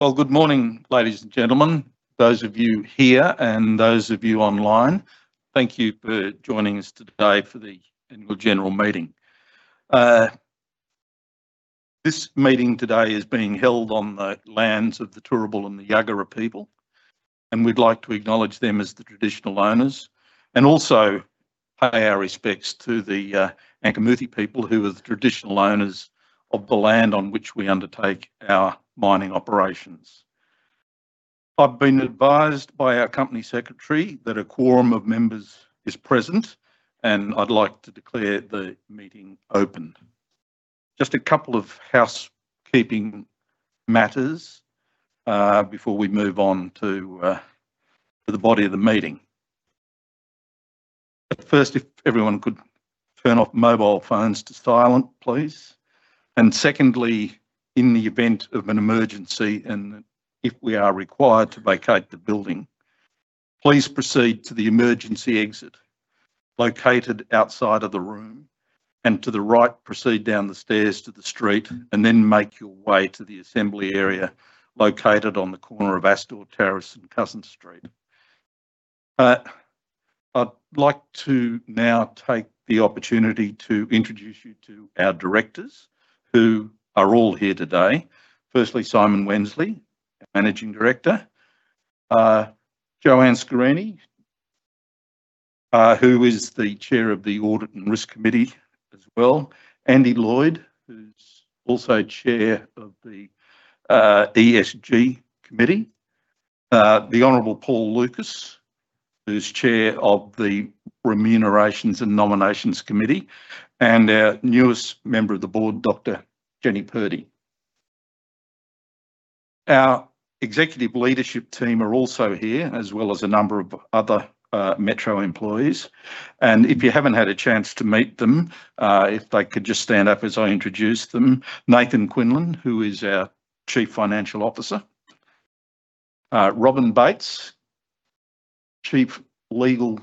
Well, good morning, ladies and gentlemen, those of you here and those of you online. Thank you for joining us today for the Annual General Meeting. This meeting today is being held on the lands of the Turrbal and the Jagera people, and we'd like to acknowledge them as the traditional owners, and also pay our respects to the Ankamuthi people who are the traditional owners of the land on which we undertake our mining operations. I've been advised by our company secretary that a quorum of members is present, and I'd like to declare the meeting open. Just a couple of housekeeping matters, before we move on to the body of the meeting. First, if everyone could turn off mobile phones to silent, please. Secondly, in the event of an emergency, and if we are required to vacate the building, please proceed to the emergency exit located outside of the room, and to the right, proceed down the stairs to the street and then make your way to the assembly area located on the corner of Astor Terrace and Constance Street. I'd like to now take the opportunity to introduce you to our directors who are all here today. Firstly, Simon Wensley, Managing Director. Jo-Anne Scarini, who is the Chair of the Audit and Risk Committee as well. Andrew Lloyd, who's also Chair of the ESG Committee. The Honorable Paul Lucas, who's Chair of the Remuneration and Nominations Committee. Our newest member of the board, Dr. Jennifer Purdie. Our executive leadership team are also here, as well as a number of other Metro employees. If you haven't had a chance to meet them, if they could just stand up as I introduce them. Nathan Quinlan, who is our Chief Financial Officer. Robin Bates, General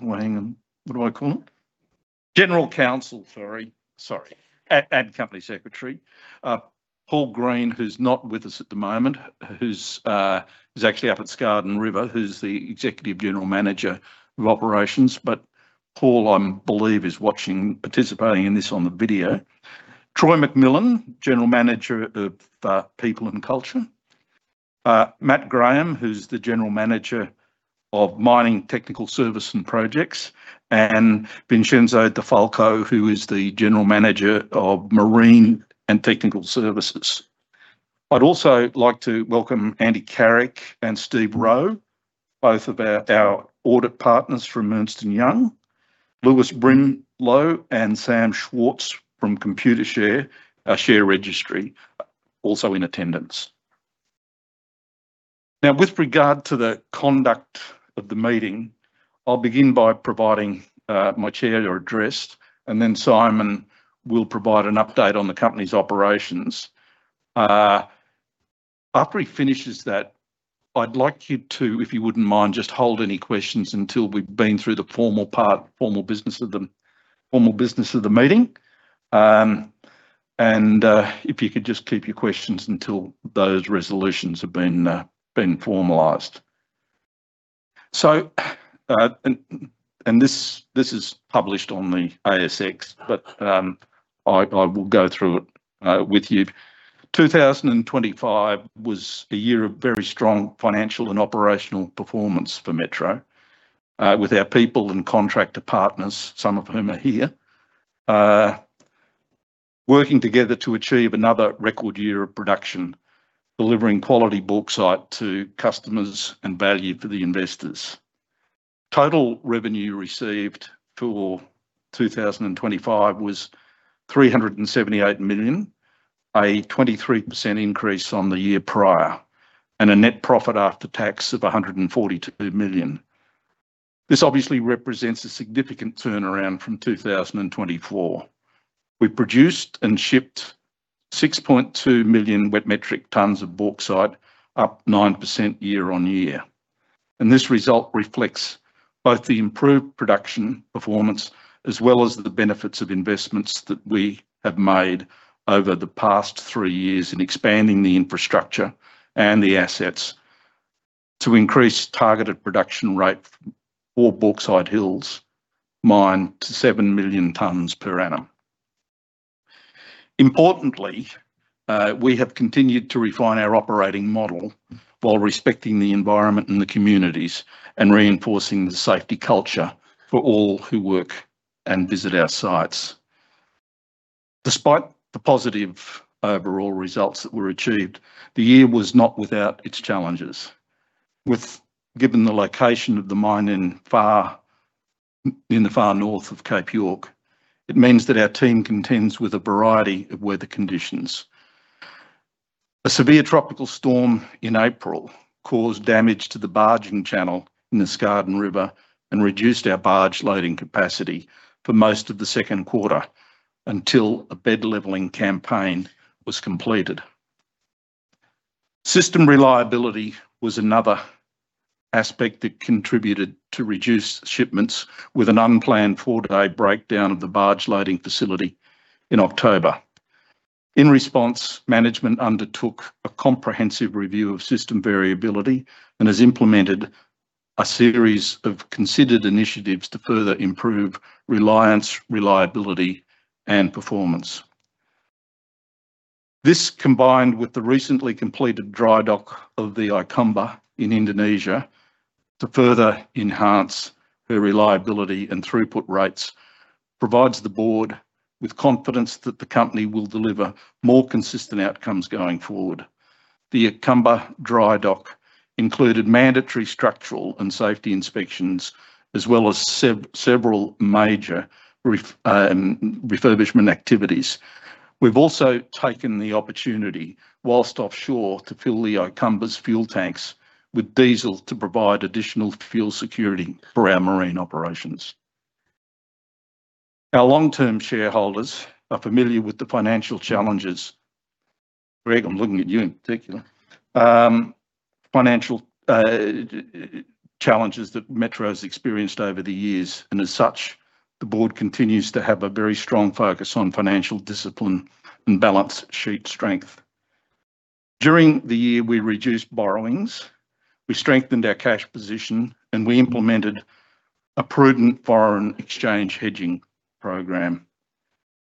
Counsel and Company Secretary. Paul Green, who's not with us at the moment, who's actually up at Skardon River, who's the Executive General Manager of Operations. But Paul, I believe, is participating in this on the video. Troy McMillan, General Manager of People and Culture. Matt Graham, who's the General Manager of Mining, Technical Service and Projects, and Vincenzo De Falco, who is the General Manager of Marine and Technical Services. I'd also like to welcome Andy Carrick and Steve Rowe, both of our audit partners from Ernst & Young. Lewis Brimelow and Sam Schwartz from Computershare, our share registry, also in attendance. Now, with regard to the conduct of the meeting, I'll begin by providing my chair's address, and then Simon will provide an update on the company's operations. After he finishes that, I'd like you to, if you wouldn't mind, just hold any questions until we've been through the formal part, formal business of the meeting. And if you could just keep your questions until those resolutions have been formalized. This is published on the ASX, but I will go through it with you. 2025 was a year of very strong financial and operational performance for Metro, with our people and contractor partners, some of whom are here, working together to achieve another record year of production, delivering quality bauxite to customers and value for the investors. Total revenue received for 2025 was 378 million, a 23% increase on the year prior, and a net profit after tax of 142 million. This obviously represents a significant turnaround from 2024. We produced and shipped 6.2 million wet metric tons of bauxite, up 9% year-on-year. This result reflects both the improved production performance as well as the benefits of investments that we have made over the past three years in expanding the infrastructure and the assets to increase targeted production rate for Bauxite Hills Mine to seven million tons per annum. Importantly, we have continued to refine our operating model while respecting the environment and the communities, and reinforcing the safety culture for all who work and visit our sites. Despite the positive overall results that were achieved, the year was not without its challenges. Given the location of the mine in the far north of Cape York, it means that our team contends with a variety of weather conditions. A severe tropical storm in April caused damage to the barging channel in the Skardon River and reduced our barge loading capacity for most of the second quarter, until a bed-leveling campaign was completed. System reliability was another aspect that contributed to reduced shipments with an unplanned four-day breakdown of the barge loading facility in October. In response, management undertook a comprehensive review of system variability and has implemented a series of considered initiatives to further improve reliance, reliability, and performance. This, combined with the recently completed dry dock of the Ikamba in Indonesia to further enhance her reliability and throughput rates, provides the board with confidence that the company will deliver more consistent outcomes going forward. The Ikamba dry dock included mandatory structural and safety inspections as well as several major refurbishment activities. We've also taken the opportunity, while offshore, to fuel the Ikamba's fuel tanks with diesel to provide additional fuel security for our marine operations. Our long-term shareholders are familiar with the financial challenges, Greg, I'm looking at you in particular, financial challenges that Metro's experienced over the years. As such, the board continues to have a very strong focus on financial discipline and balance sheet strength. During the year, we reduced borrowings, we strengthened our cash position, and we implemented a prudent foreign exchange hedging program.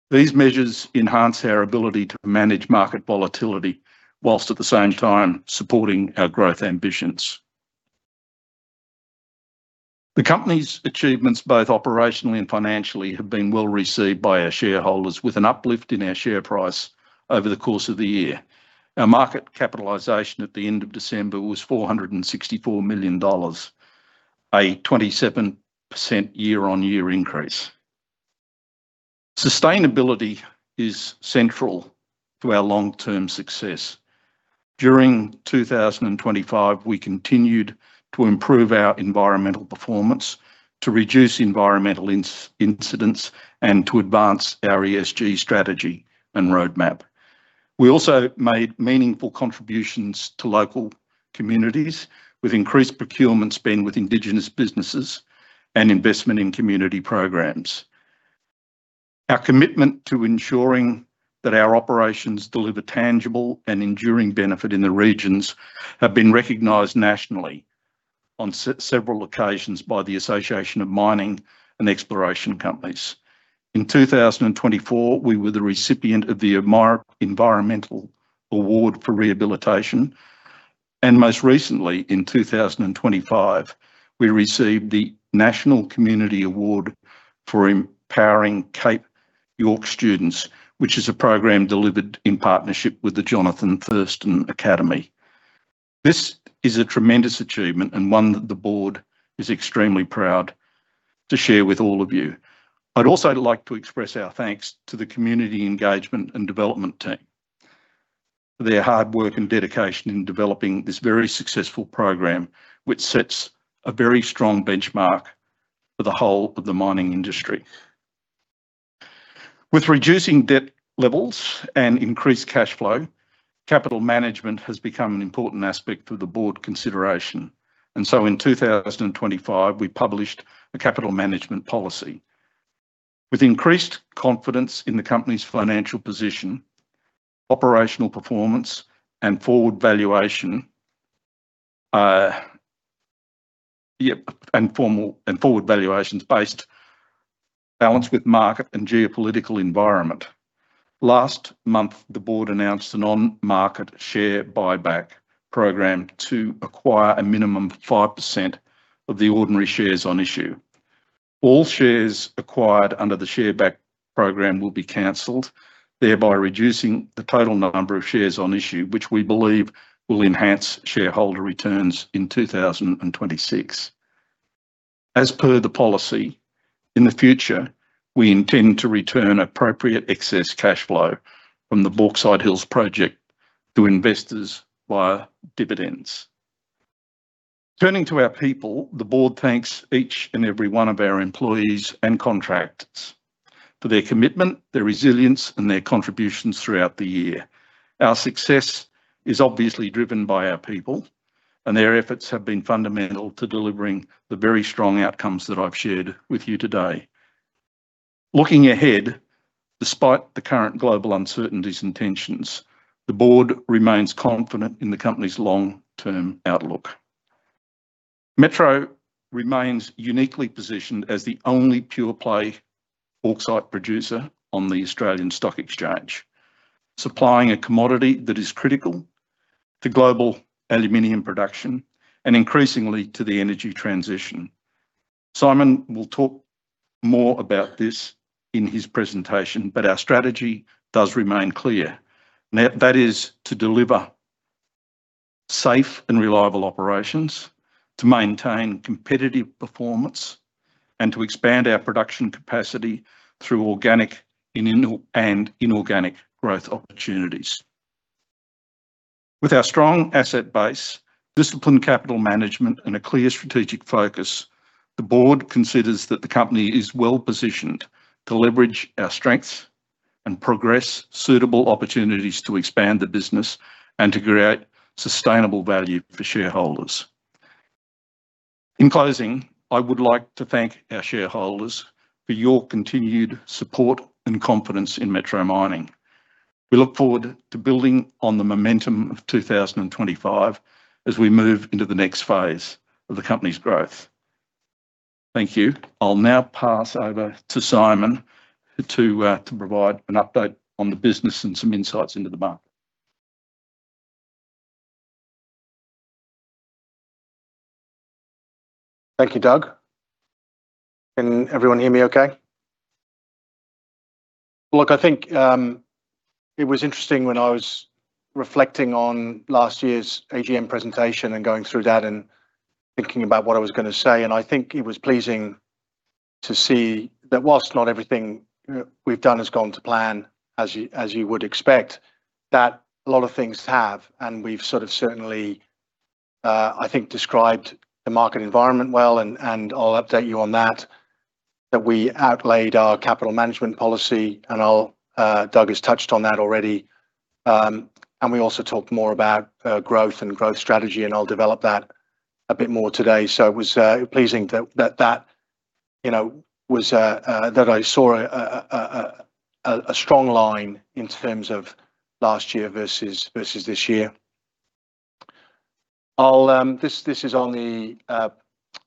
These measures enhance our ability to manage market volatility while at the same time supporting our growth ambitions. The company's achievements, both operationally and financially, have been well-received by our shareholders, with an uplift in our share price over the course of the year. Our market capitalization at the end of December was 464 million dollars, a 27% year-on-year increase. Sustainability is central to our long-term success. During 2025, we continued to improve our environmental performance to reduce environmental incidents and to advance our ESG strategy and roadmap. We also made meaningful contributions to local communities with increased procurement spend with indigenous businesses and investment in community programs. Our commitment to ensuring that our operations deliver tangible and enduring benefit in the regions have been recognized nationally on several occasions by the Association of Mining and Exploration Companies. In 2024, we were the recipient of the AMEC Environmental Award for Rehabilitation. Most recently, in 2025, we received the National Community Award for Empowering Cape York Students, which is a program delivered in partnership with the Johnathan Thurston Academy. This is a tremendous achievement and one that the board is extremely proud to share with all of you. I'd also like to express our thanks to the community engagement and development team for their hard work and dedication in developing this very successful program, which sets a very strong benchmark for the whole of the mining industry. With reducing debt levels and increased cash flow, capital management has become an important aspect of the board consideration. In 2025, we published a capital management policy. With increased confidence in the company's financial position, operational performance, and forward valuations based, balanced with market and geopolitical environment. Last month, the board announced an on-market share buyback program to acquire a minimum 5% of the ordinary shares on issue. All shares acquired under the share buyback program will be canceled, thereby reducing the total number of shares on issue, which we believe will enhance shareholder returns in 2026. As per the policy, in the future, we intend to return appropriate excess cash flow from the Bauxite Hills project to investors via dividends. Turning to our people, the board thanks each and every one of our employees and contractors for their commitment, their resilience, and their contributions throughout the year. Our success is obviously driven by our people, and their efforts have been fundamental to delivering the very strong outcomes that I've shared with you today. Looking ahead, despite the current global uncertainties and tensions, the board remains confident in the company's long-term outlook. Metro remains uniquely positioned as the only pure-play bauxite producer on the Australian Stock Exchange, supplying a commodity that is critical to global aluminum production and increasingly to the energy transition. Simon will talk more about this in his presentation. Our strategy does remain clear. That is to deliver safe and reliable operations, to maintain competitive performance, and to expand our production capacity through organic and inorganic growth opportunities. With our strong asset base, disciplined capital management, and a clear strategic focus, the board considers that the company is well-positioned to leverage our strengths and progress suitable opportunities to expand the business and to create sustainable value for shareholders. In closing, I would like to thank our shareholders for your continued support and confidence in Metro Mining. We look forward to building on the momentum of 2025 as we move into the next phase of the company's growth. Thank you. I'll now pass over to Simon to provide an update on the business and some insights into the market. Thank you, Doug. Can everyone hear me okay? Look, I think it was interesting when I was reflecting on last year's AGM presentation and going through that and thinking about what I was going to say. I think it was pleasing to see that while not everything we've done has gone to plan as you would expect, that a lot of things have. We've sort of certainly, I think, described the market environment well, and I'll update you on that. We outlined our capital management policy and Doug has touched on that already. We also talked more about growth and growth strategy, and I'll develop that a bit more today. It was pleasing that I saw a strong line in terms of last year versus this year. This is on the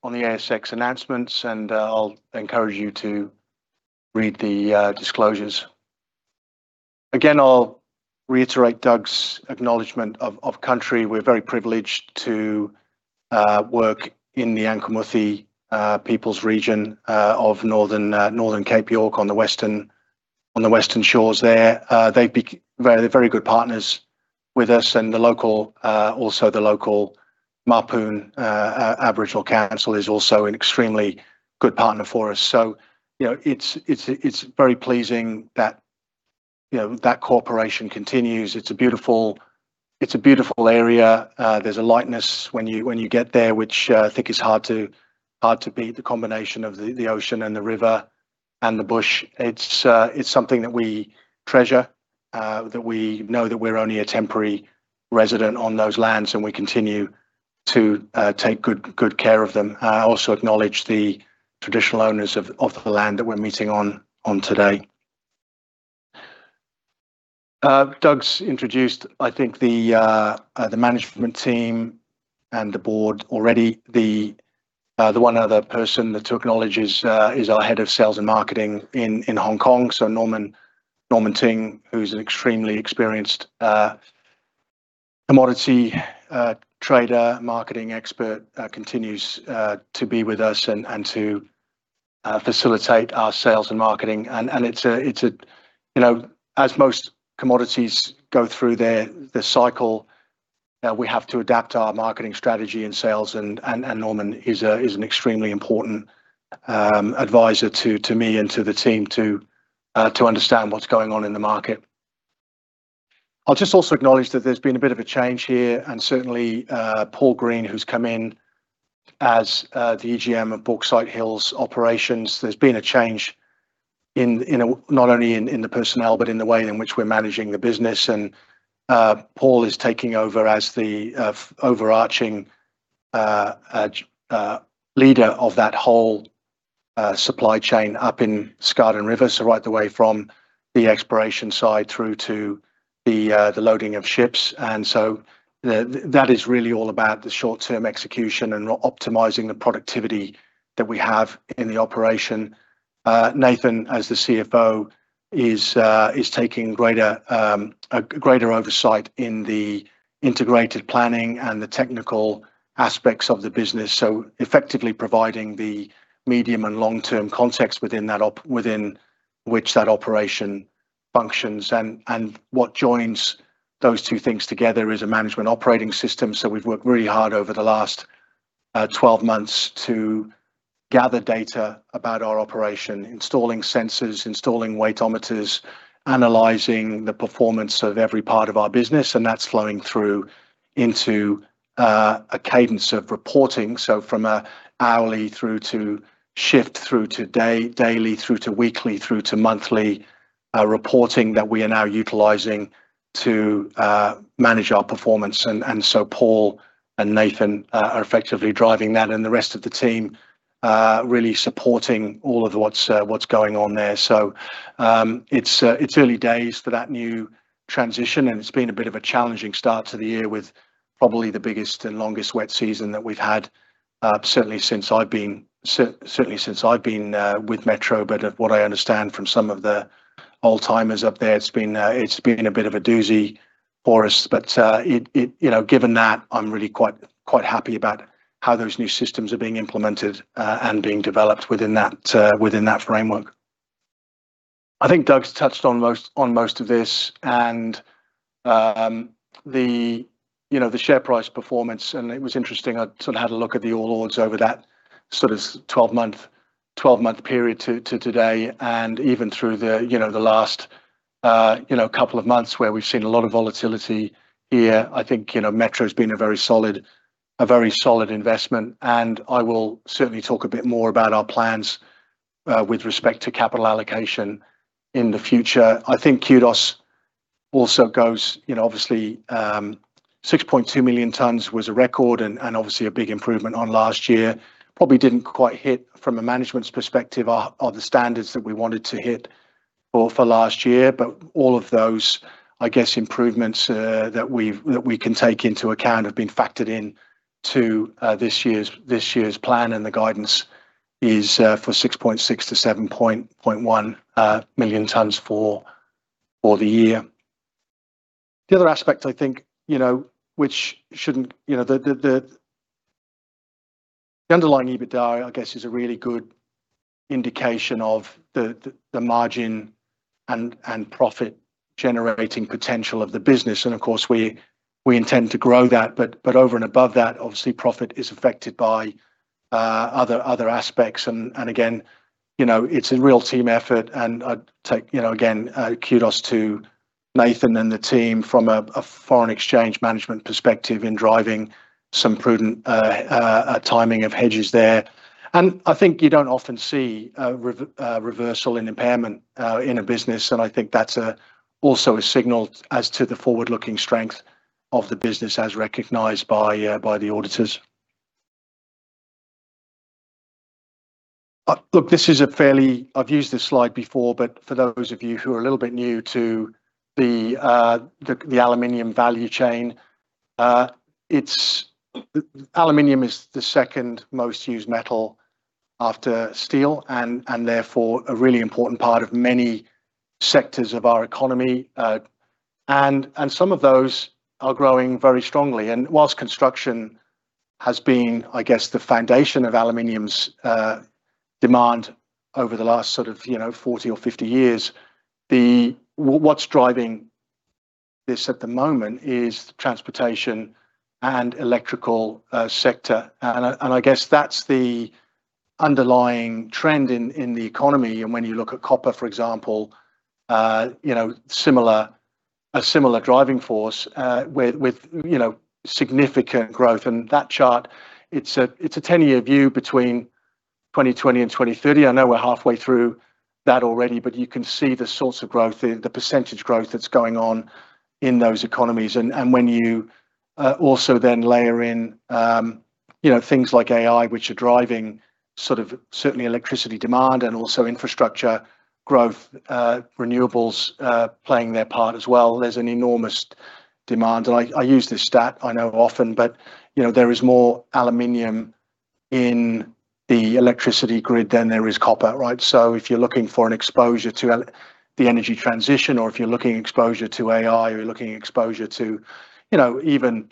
ASX announcements, and I'll encourage you to read the disclosures. Again, I'll reiterate Doug's acknowledgment of country. We're very privileged to work in the Ankamuthi people's region of northern Cape York on the western shores there. They're very good partners with us and also the local Mapoon Aboriginal Council is also an extremely good partner for us. It's very pleasing that cooperation continues. It's a beautiful area. There's a lightness when you get there, which I think is hard to beat the combination of the ocean and the river and the bush. It's something that we treasure, that we know that we're only a temporary resident on those lands, and we continue to take good care of them. I also acknowledge the traditional owners of the land that we're meeting on today. Doug's introduced, I think, the management team and the board already. The one other person to acknowledge is our head of sales and marketing in Hong Kong. Norman Ting, who's an extremely experienced commodity trader, marketing expert, continues to be with us and to facilitate our sales and marketing. As most commodities go through their cycle, we have to adapt our marketing strategy and sales and Norman is an extremely important advisor to me and to the team to understand what's going on in the market. I'll just also acknowledge that there's been a bit of a change here, and certainly, Paul Green, who's come in as the GM of Bauxite Hills Operations, there's been a change not only in the personnel, but in the way in which we're managing the business, and Paul is taking over as the overarching leader of that whole supply chain up in Skardon River, right the way from the exploration side through to the loading of ships. That is really all about the short-term execution and optimizing the productivity that we have in the operation. Nathan, as the CFO, is taking a greater oversight in the integrated planning and the technical aspects of the business, effectively providing the medium and long-term context within which that operation functions. What joins those two things together is a management operating system. We've worked really hard over the last 12 months to gather data about our operation, installing sensors, installing weightometers, analyzing the performance of every part of our business, and that's flowing through into a cadence of reporting. From an hourly through to shift, through to daily, through to weekly, through to monthly reporting that we are now utilizing to manage our performance. Paul and Nathan are effectively driving that and the rest of the team are really supporting all of what's going on there. It's early days for that new transition, and it's been a bit of a challenging start to the year with probably the biggest and longest wet season that we've had, certainly since I've been with Metro. What I understand from some of the old-timers up there, it's been a bit of a doozy for us. Given that, I'm really quite happy about how those new systems are being implemented, and being developed within that framework. I think Doug's touched on most of this and the share price performance, and it was interesting. I sort of had a look at the charts over that sort of 12-month period to today and even through the last couple of months where we've seen a lot of volatility here. I think Metro's been a very solid investment, and I will certainly talk a bit more about our plans with respect to capital allocation in the future. I think kudos also goes, obviously, 6.2 million tons was a record and obviously a big improvement on last year. Probably didn't quite hit, from a management's perspective, our standards that we wanted to hit for last year. But all of those, I guess, improvements that we can take into account have been factored in to this year's plan, and the guidance is for 6.6-7.1 million tons for the year. The other aspect, I think, the underlying EBITDA, I guess, is a really good indication of the margin and profit-generating potential of the business. Of course, we intend to grow that. Over and above that, obviously, profit is affected by other aspects. Again, it's a real team effort, and I take again kudos to Nathan and the team from a foreign exchange management perspective in driving some prudent timing of hedges there. I think you don't often see a reversal in impairment in a business, and I think that's also a signal as to the forward-looking strength of the business as recognized by the auditors. Look, I've used this slide before, but for those of you who are a little bit new to the aluminum value chain, aluminum is the second-most used metal after steel and therefore a really important part of many sectors of our economy. Some of those are growing very strongly. While construction has been, I guess, the foundation of aluminum's demand over the last sort of 40 or 50 years, what's driving this at the moment is transportation and electrical sector. I guess that's the underlying trend in the economy. When you look at copper, for example, a similar driving force with significant growth. That chart, it's a 10-year view between 2020 and 2030. I know we're halfway through that already, but you can see the sorts of growth, the percentage growth that's going on in those economies. When you also then layer in things like AI, which are driving certainly electricity demand and also infrastructure growth, renewables playing their part as well. There's an enormous demand, and I use this stat, I know often, but there is more aluminum in the electricity grid than there is copper, right? If you're looking for an exposure to the energy transition, or if you're looking exposure to AI, or you're looking exposure to even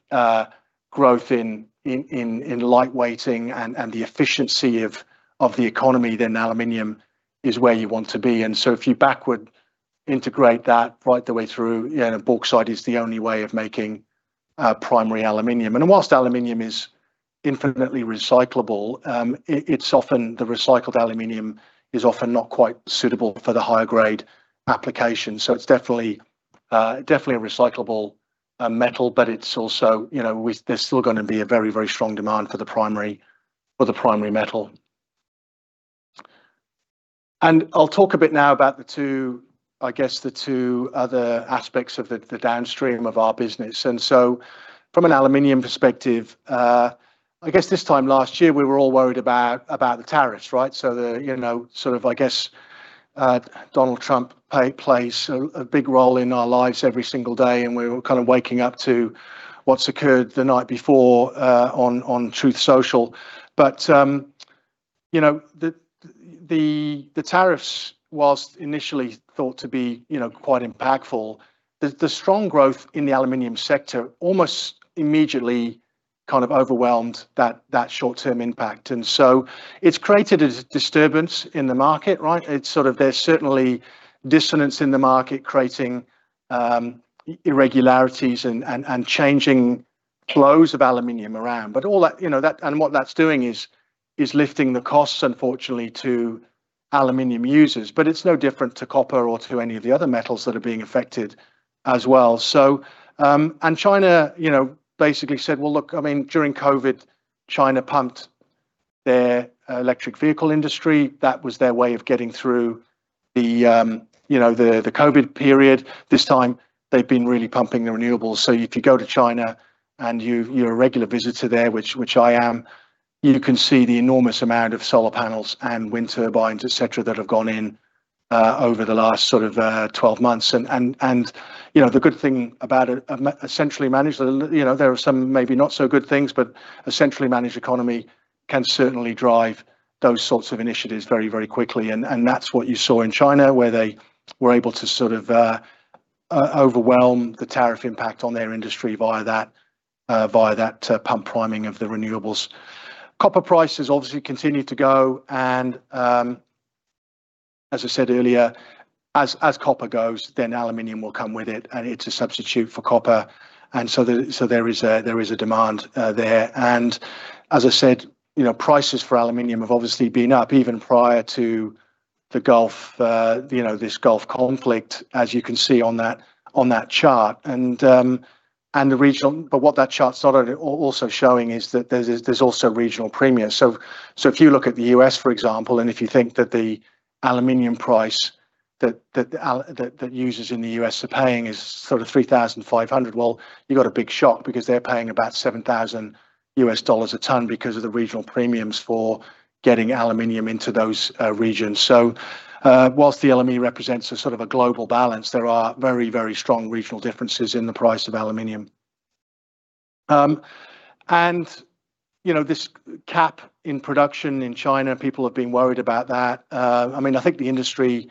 growth in lightweighting and the efficiency of the economy, then aluminum is where you want to be. If you backward integrate that right the way through, bauxite is the only way of making primary aluminum. While aluminum is infinitely recyclable, the recycled aluminum is often not quite suitable for the higher grade application. It's definitely a recyclable metal, but there's still going to be a very strong demand for the primary metal. I'll talk a bit now about, I guess, the two other aspects of the downstream of our business. From an aluminum perspective, I guess this time last year, we were all worried about the tariffs, right? I guess Donald Trump plays a big role in our lives every single day, and we're all kind of waking up to what's occurred the night before on Truth Social. The tariffs, while initially thought to be quite impactful, the strong growth in the aluminum sector almost immediately kind of overwhelmed that short-term impact. It's created a disturbance in the market, right? There's certainly dissonance in the market creating irregularities and changing flows of aluminum around. What that's doing is lifting the costs, unfortunately, to aluminum users. It's no different to copper or to any of the other metals that are being affected as well. China basically said, well, look, during COVID, China pumped their electric vehicle industry. That was their way of getting through the COVID period. This time, they've been really pumping the renewables. If you go to China and you're a regular visitor there, which I am, you can see the enormous amount of solar panels and wind turbines, et cetera, that have gone in over the last sort of 12 months. There are some maybe not so good things, but a centrally managed economy can certainly drive those sorts of initiatives very quickly. That's what you saw in China, where they were able to sort of overwhelm the tariff impact on their industry via that pump priming of the renewables. Copper prices obviously continue to go, and as I said earlier, as copper goes, then aluminium will come with it, and it's a substitute for copper. There is a demand there. As I said, prices for aluminium have obviously been up even prior to the Gulf, this Gulf conflict, as you can see on that chart. What that chart's also showing is that there's also regional premiums. If you look at the U.S., for example, and if you think that the aluminum price that users in the U.S. are paying is sort of $3,500, well, you got a big shock because they're paying about $7,000 a ton because of the regional premiums for getting aluminum into those regions. Whilst the LME represents a sort of a global balance, there are very, very strong regional differences in the price of aluminum. This cap in production in China, people have been worried about that. I think the industry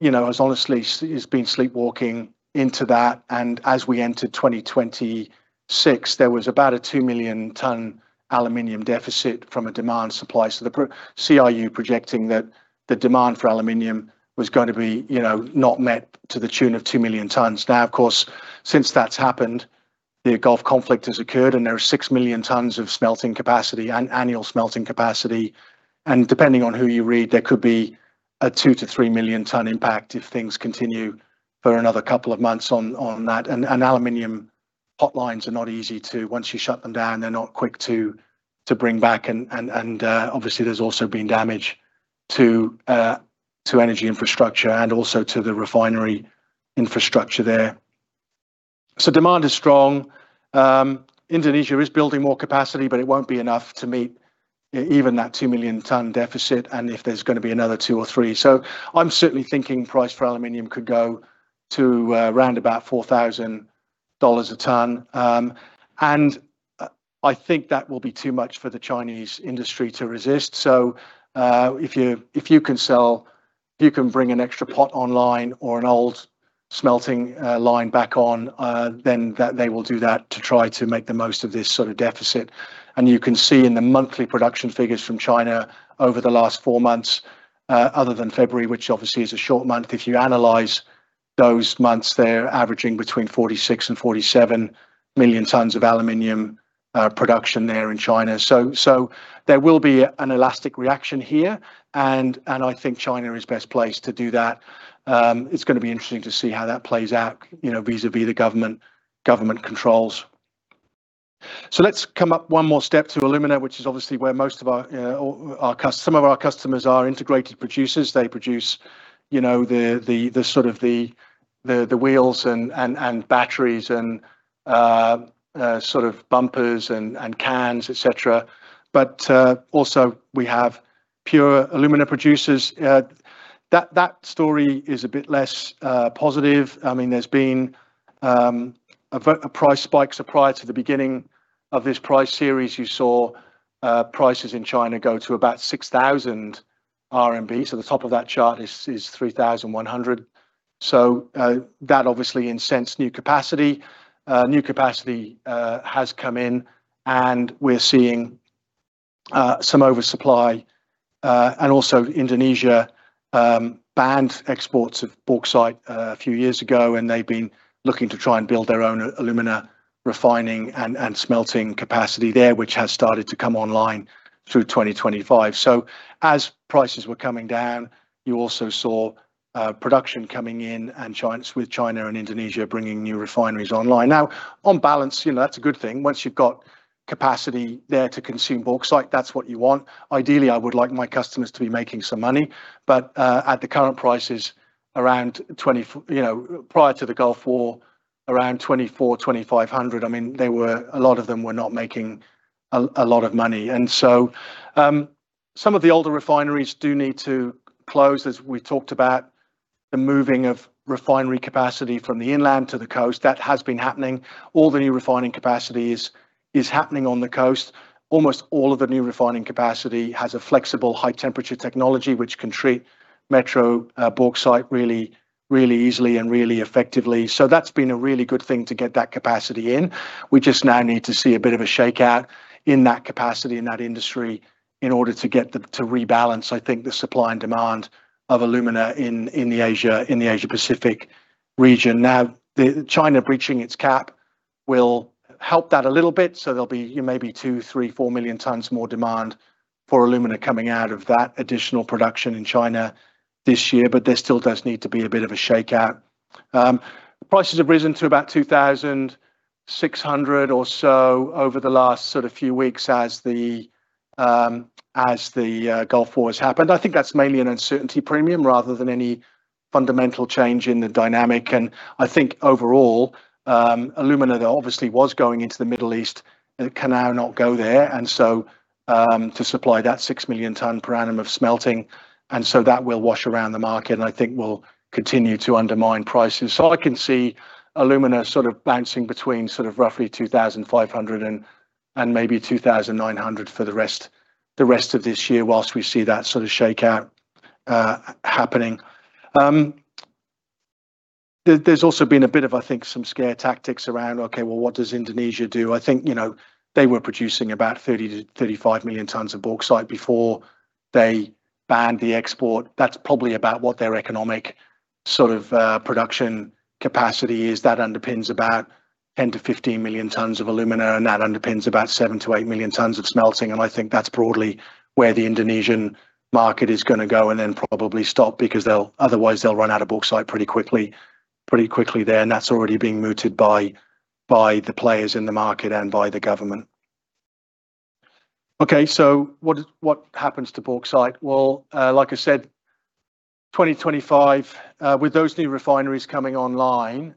has honestly been sleepwalking into that, and as we entered 2026, there was about a two million ton aluminum deficit from a demand supply. The CRU projecting that the demand for aluminum was going to be not met to the tune of two million tons. Now, of course, since that's happened, the Gulf conflict has occurred, and there are six million tons of smelting capacity, annual smelting capacity. Depending on who you read, there could be a two to three million ton impact if things continue for another couple of months on that. Aluminum hot lines are not easy to, once you shut them down, they're not quick to bring back and, obviously there's also been damage to energy infrastructure and also to the refinery infrastructure there. Demand is strong. Indonesia is building more capacity, but it won't be enough to meet even that two million ton deficit and if there's going to be another two or three. I'm certainly thinking price for aluminum could go to around about $4,000 a ton. I think that will be too much for the Chinese industry to resist. If you can sell, if you can bring an extra pot online or an old smelting line back on, then they will do that to try to make the most of this sort of deficit. You can see in the monthly production figures from China over the last four months, other than February, which obviously is a short month, if you analyze those months, they're averaging between 46 and 47 million tons of aluminum production there in China. There will be an elastic reaction here, and I think China is best placed to do that. It's going to be interesting to see how that plays out, vis-a-vis the government controls. Let's come up one more step to alumina, which is obviously where some of our customers are integrated producers. They produce the wheels and batteries and bumpers and cans, et cetera. Also we have pure alumina producers. That story is a bit less positive. There's been a price spike, so prior to the beginning of this price series, you saw prices in China go to about 6,000 RMB. The top of that chart is 3,100. That obviously incentivized new capacity. New capacity has come in and we're seeing some oversupply, and also Indonesia banned exports of bauxite a few years ago, and they've been looking to try and build their own alumina refining and smelting capacity there, which has started to come online through 2025. As prices were coming down, you also saw production coming in with China and Indonesia bringing new refineries online. Now, on balance, that's a good thing. Once you've got capacity there to consume bauxite, that's what you want. Ideally, I would like my customers to be making some money, but at the current prices around $20—prior to the Gulf War, around $24, $2,500, a lot of them were not making a lot of money. Some of the older refineries do need to close, as we talked about, the moving of refinery capacity from the inland to the coast, that has been happening. All the new refining capacity is happening on the coast. Almost all of the new refining capacity has a flexible high temperature technology, which can treat Metro bauxite really, really easily and really effectively. That's been a really good thing to get that capacity in. We just now need to see a bit of a shakeout in that capacity in that industry in order to get to rebalance, I think, the supply and demand of alumina in the Asia Pacific region. Now, China breaching its cap will help that a little bit. There'll be maybe two, three, four million tons more demand for alumina coming out of that additional production in China this year, but there still does need to be a bit of a shakeout. Prices have risen to about 2,600 or so over the last few weeks as the Gulf War has happened. I think that's mainly an uncertainty premium rather than any fundamental change in the dynamic. I think overall, alumina that obviously was going into the Middle East, it can now not go there. To supply that six million tons per annum of smelting, and so that will wash around the market and I think will continue to undermine pricing. I can see alumina sort of bouncing between roughly 2,500-2,900 for the rest of this year, while we see that sort of shakeout happening. There's also been a bit of, I think, some scare tactics around, okay, well, what does Indonesia do? I think, they were producing about 30-35 million tons of bauxite before they banned the export. That's probably about what their economic production capacity is. That underpins about 10-15 million tons of alumina, and that underpins about seven to eigth million tons of smelting. I think that's broadly where the Indonesian market is going to go, and then probably stop because otherwise they'll run out of bauxite pretty quickly there. That's already being mooted by the players in the market and by the government. Okay. What happens to bauxite? Well, like I said, 2025, with those new refineries coming online,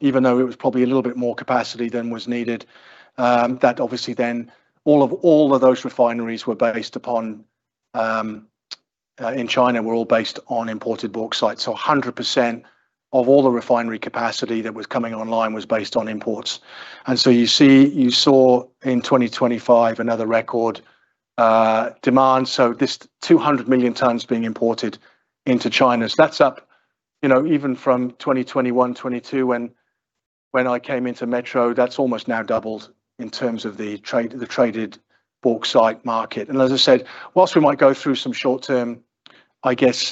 even though it was probably a little bit more capacity than was needed, that obviously then all of those refineries were based upon, in China, were all based on imported bauxite. 100% of all the refinery capacity that was coming online was based on imports. You saw in 2025 another record demand, so this 200 million tons being imported into China. That's up even from 2021, 2022, when I came into Metro. That's almost now doubled in terms of the traded bauxite market. As I said, while we might go through some short term, I guess,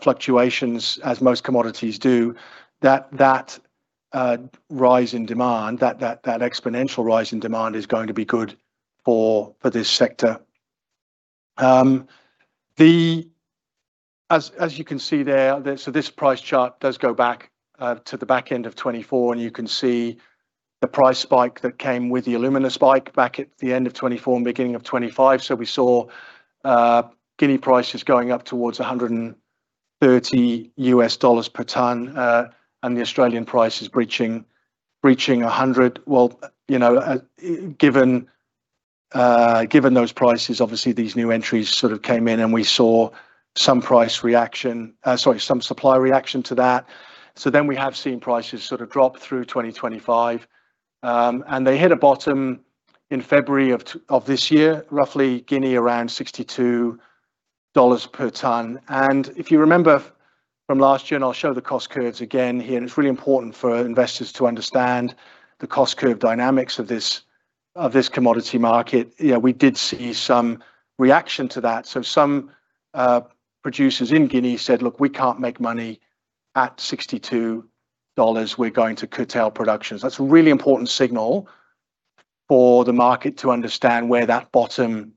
fluctuations as most commodities do, that rise in demand, that exponential rise in demand is going to be good for this sector. As you can see there, this price chart does go back to the back end of 2024, and you can see the price spike that came with the alumina spike back at the end of 2024 and beginning of 2025. We saw Guinea prices going up towards $130 per ton, and the Australian price is breaching 100. Well, given those prices, obviously these new entries sort of came in and we saw some supply reaction to that. We have seen prices sort of drop through 2025, and they hit a bottom in February of this year, roughly Guinea, around $62 per ton. If you remember from last year, and I'll show the cost curves again here, and it's really important for investors to understand the cost curve dynamics of this commodity market. We did see some reaction to that. Some producers in Guinea said, "Look, we can't make money at $62. We're going to curtail production." That's a really important signal for the market to understand where that bottom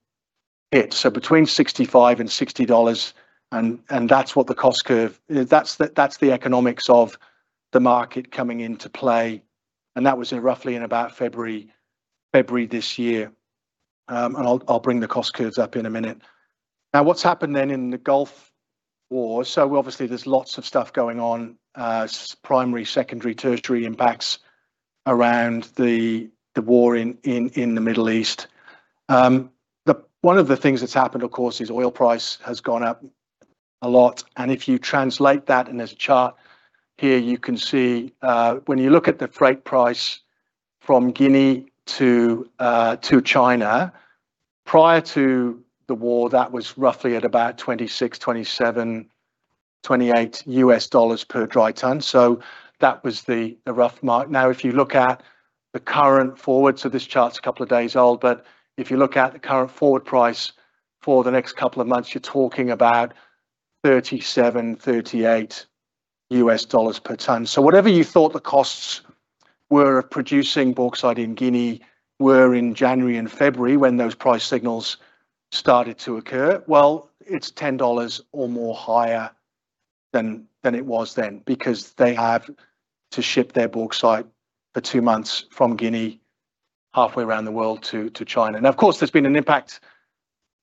hit. Between $65 and $60, and that's what the cost curve. That's the economics of the market coming into play. That was in roughly in about February this year. I'll bring the cost curves up in a minute. What's happened then in the Gulf War, so obviously there's lots of stuff going on, primary, secondary, tertiary impacts around the war in the Middle East. One of the things that's happened, of course, is oil price has gone up a lot. If you translate that, and there's a chart here you can see, when you look at the freight price from Guinea to China, prior to the war, that was roughly at about $26-$28 per dry ton. That was the rough mark. Now, if you look at the current forward, so this chart's a couple of days old, but if you look at the current forward price for the next couple of months, you're talking about $37-$38 per ton. Whatever you thought the costs were of producing bauxite in Guinea were in January and February, when those price signals started to occur, well, it's $10 or more higher than it was then because they have to ship their bauxite for two months from Guinea, halfway around the world to China. Now, of course, there's been an impact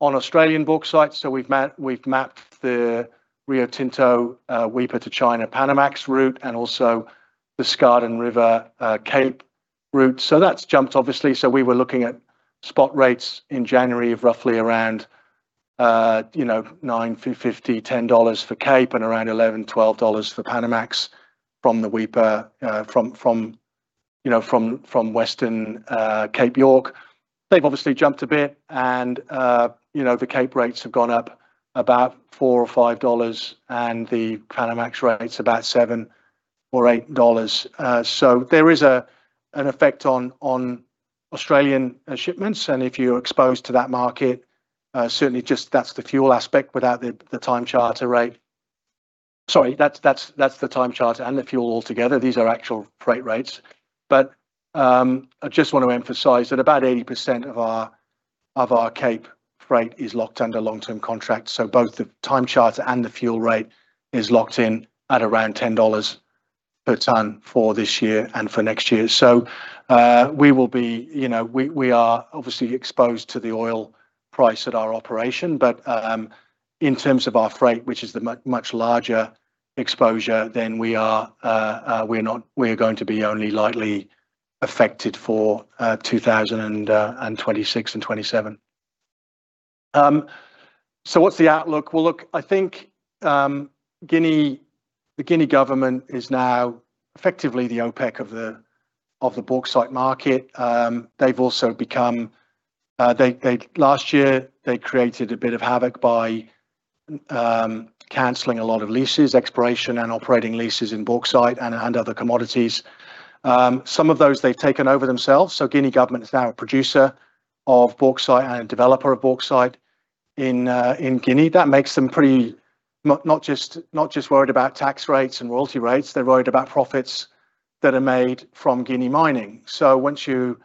on Australian bauxite. We've mapped the Rio Tinto Weipa to China Panamax route, and also the Skardon River Cape route. That's jumped obviously. We were looking at spot rates in January of roughly around $9.50-$10 for Cape and around $11-$12 for Panamax from the Weipa, from Western Cape York. They've obviously jumped a bit and the Cape rates have gone up about $4 or $5, and the Panamax rate's about $7 or $8. There is an effect on Australian shipments, and if you're exposed to that market, certainly just that's the fuel aspect without the time charter rate. Sorry, that's the time charter and the fuel altogether. These are actual freight rates. I just want to emphasize that about 80% of our Cape freight is locked under long-term contracts. Both the time charter and the fuel rate is locked in at around 10 dollars per ton for this year and for next year. We are obviously exposed to the oil price at our operation. In terms of our freight, which is the much larger exposure, then we are going to be only lightly affected for 2026 and 2027. What's the outlook? Well, look, I think, the Guinea government is now effectively the OPEC of the bauxite market. Last year, they created a bit of havoc by canceling a lot of leases, exploration, and operating leases in bauxite and other commodities. Some of those they've taken over themselves, so Guinea government is now a producer of bauxite and a developer of bauxite in Guinea. That makes them not just worried about tax rates and royalty rates, they're worried about profits that are made from Guinea mining. Once you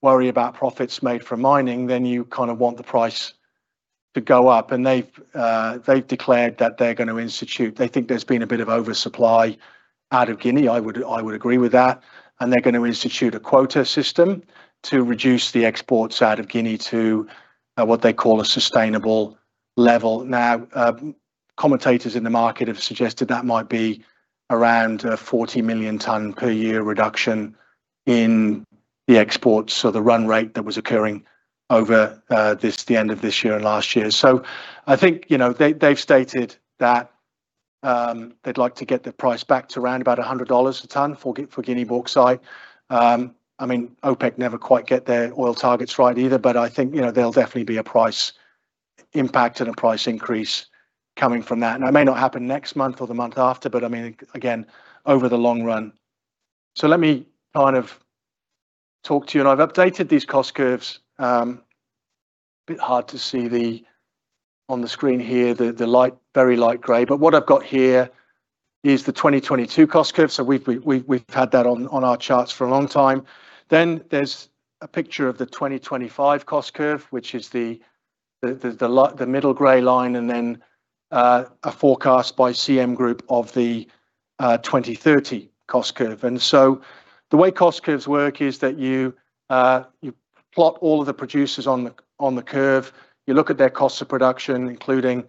worry about profits made from mining, then you kind of want the price to go up. They've declared that they're going to institute. They think there's been a bit of oversupply out of Guinea. I would agree with that. They're going to institute a quota system to reduce the exports out of Guinea to, what they call, a sustainable level. Now, commentators in the market have suggested that might be around a 40 million tons per year reduction in the exports, so the run rate that was occurring over the end of this year and last year. I think, they've stated that they'd like to get the price back to around about $100 a ton for Guinea bauxite. OPEC never quite get their oil targets right either, but I think, there'll definitely be a price impact and a price increase coming from that. It may not happen next month or the month after, but, again, over the long run. Let me talk to you, and I've updated these cost curves. It's a bit hard to see on the screen here, the very light gray. What I've got here is the 2022 cost curve, so we've had that on our charts for a long time. There's a picture of the 2025 cost curve, which is the middle gray line, and then a forecast by CRU Group of the 2030 cost curve. The way cost curves work is that you plot all of the producers on the curve, you look at their cost of production, including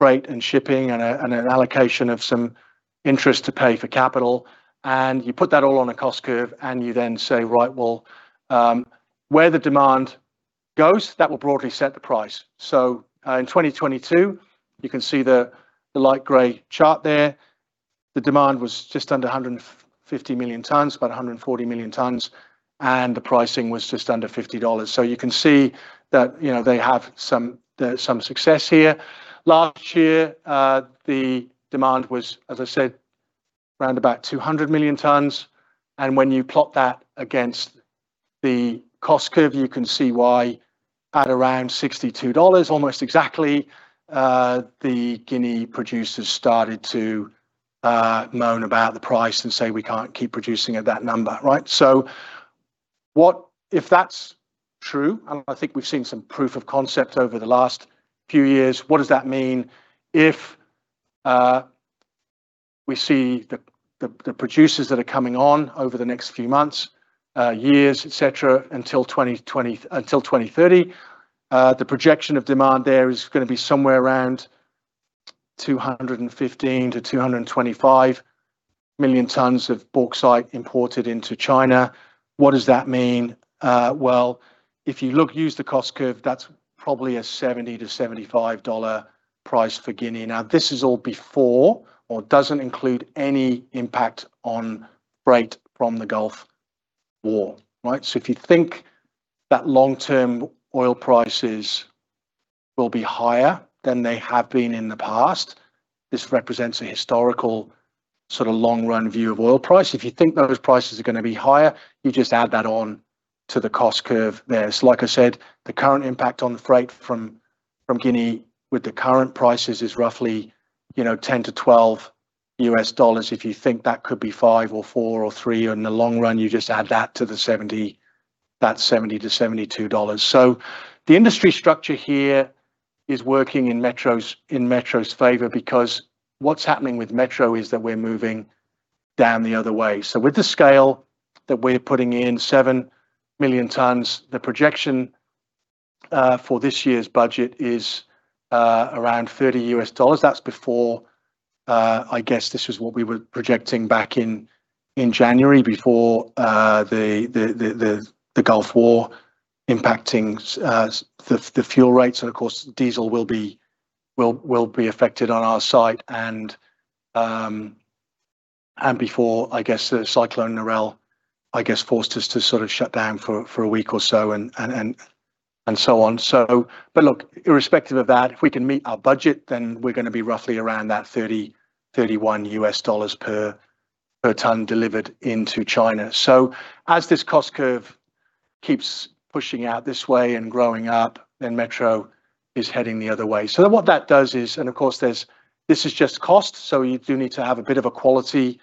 freight and shipping and an allocation of some interest to pay for capital, and you put that all on a cost curve and you then say, "Right, well, where the demand goes, that will broadly set the price." In 2022, you can see the light gray chart there. The demand was just under 150 million tons, about 140 million tons, and the pricing was just under $50. You can see that they have some success here. Last year, the demand was, as I said, around about 200 million tons, and when you plot that against the cost curve, you can see why at around $62, almost exactly, the Guinea producers started to moan about the price and say, "We can't keep producing at that number." If that's true, and I think we've seen some proof of concept over the last few years, what does that mean if we see the producers that are coming on over the next few months, years, et cetera, et cetera, until 2030, the projection of demand there is going to be somewhere around 215-225 million tons of bauxite imported into China. What does that mean? Well, if you use the cost curve, that's probably a $70-$75 price for Guinea. Now, this is all before, or doesn't include, any impact on freight from the Gulf War. If you think that long-term oil prices will be higher than they have been in the past, this represents a historical long-run view of oil price. If you think those prices are going to be higher, you just add that on to the cost curve there. Like I said, the current impact on the freight from Guinea with the current prices is roughly $10-$12 if you think that could be $5 or $4 or $3 in the long run, you just add that to the $70, that's $70-$72. The industry structure here is working in Metro's favor because what's happening with Metro is that we're moving down the other way. With the scale that we're putting in, seven million tons, the projection for this year's budget is around $30. That's before, I guess this was what we were projecting back in January, before the Gulf War impacting the fuel rates, and of course, diesel will be affected on our site. Before, I guess, the Cyclone Narelle, I guess, forced us to shut down for a week or so, and so on. Look, irrespective of that, if we can meet our budget, then we're going to be roughly around that $30-$31 per ton delivered into China. As this cost curve keeps pushing out this way and growing up, then Metro is heading the other way. What that does is, and of course this is just cost, so you do need to have a bit of a quality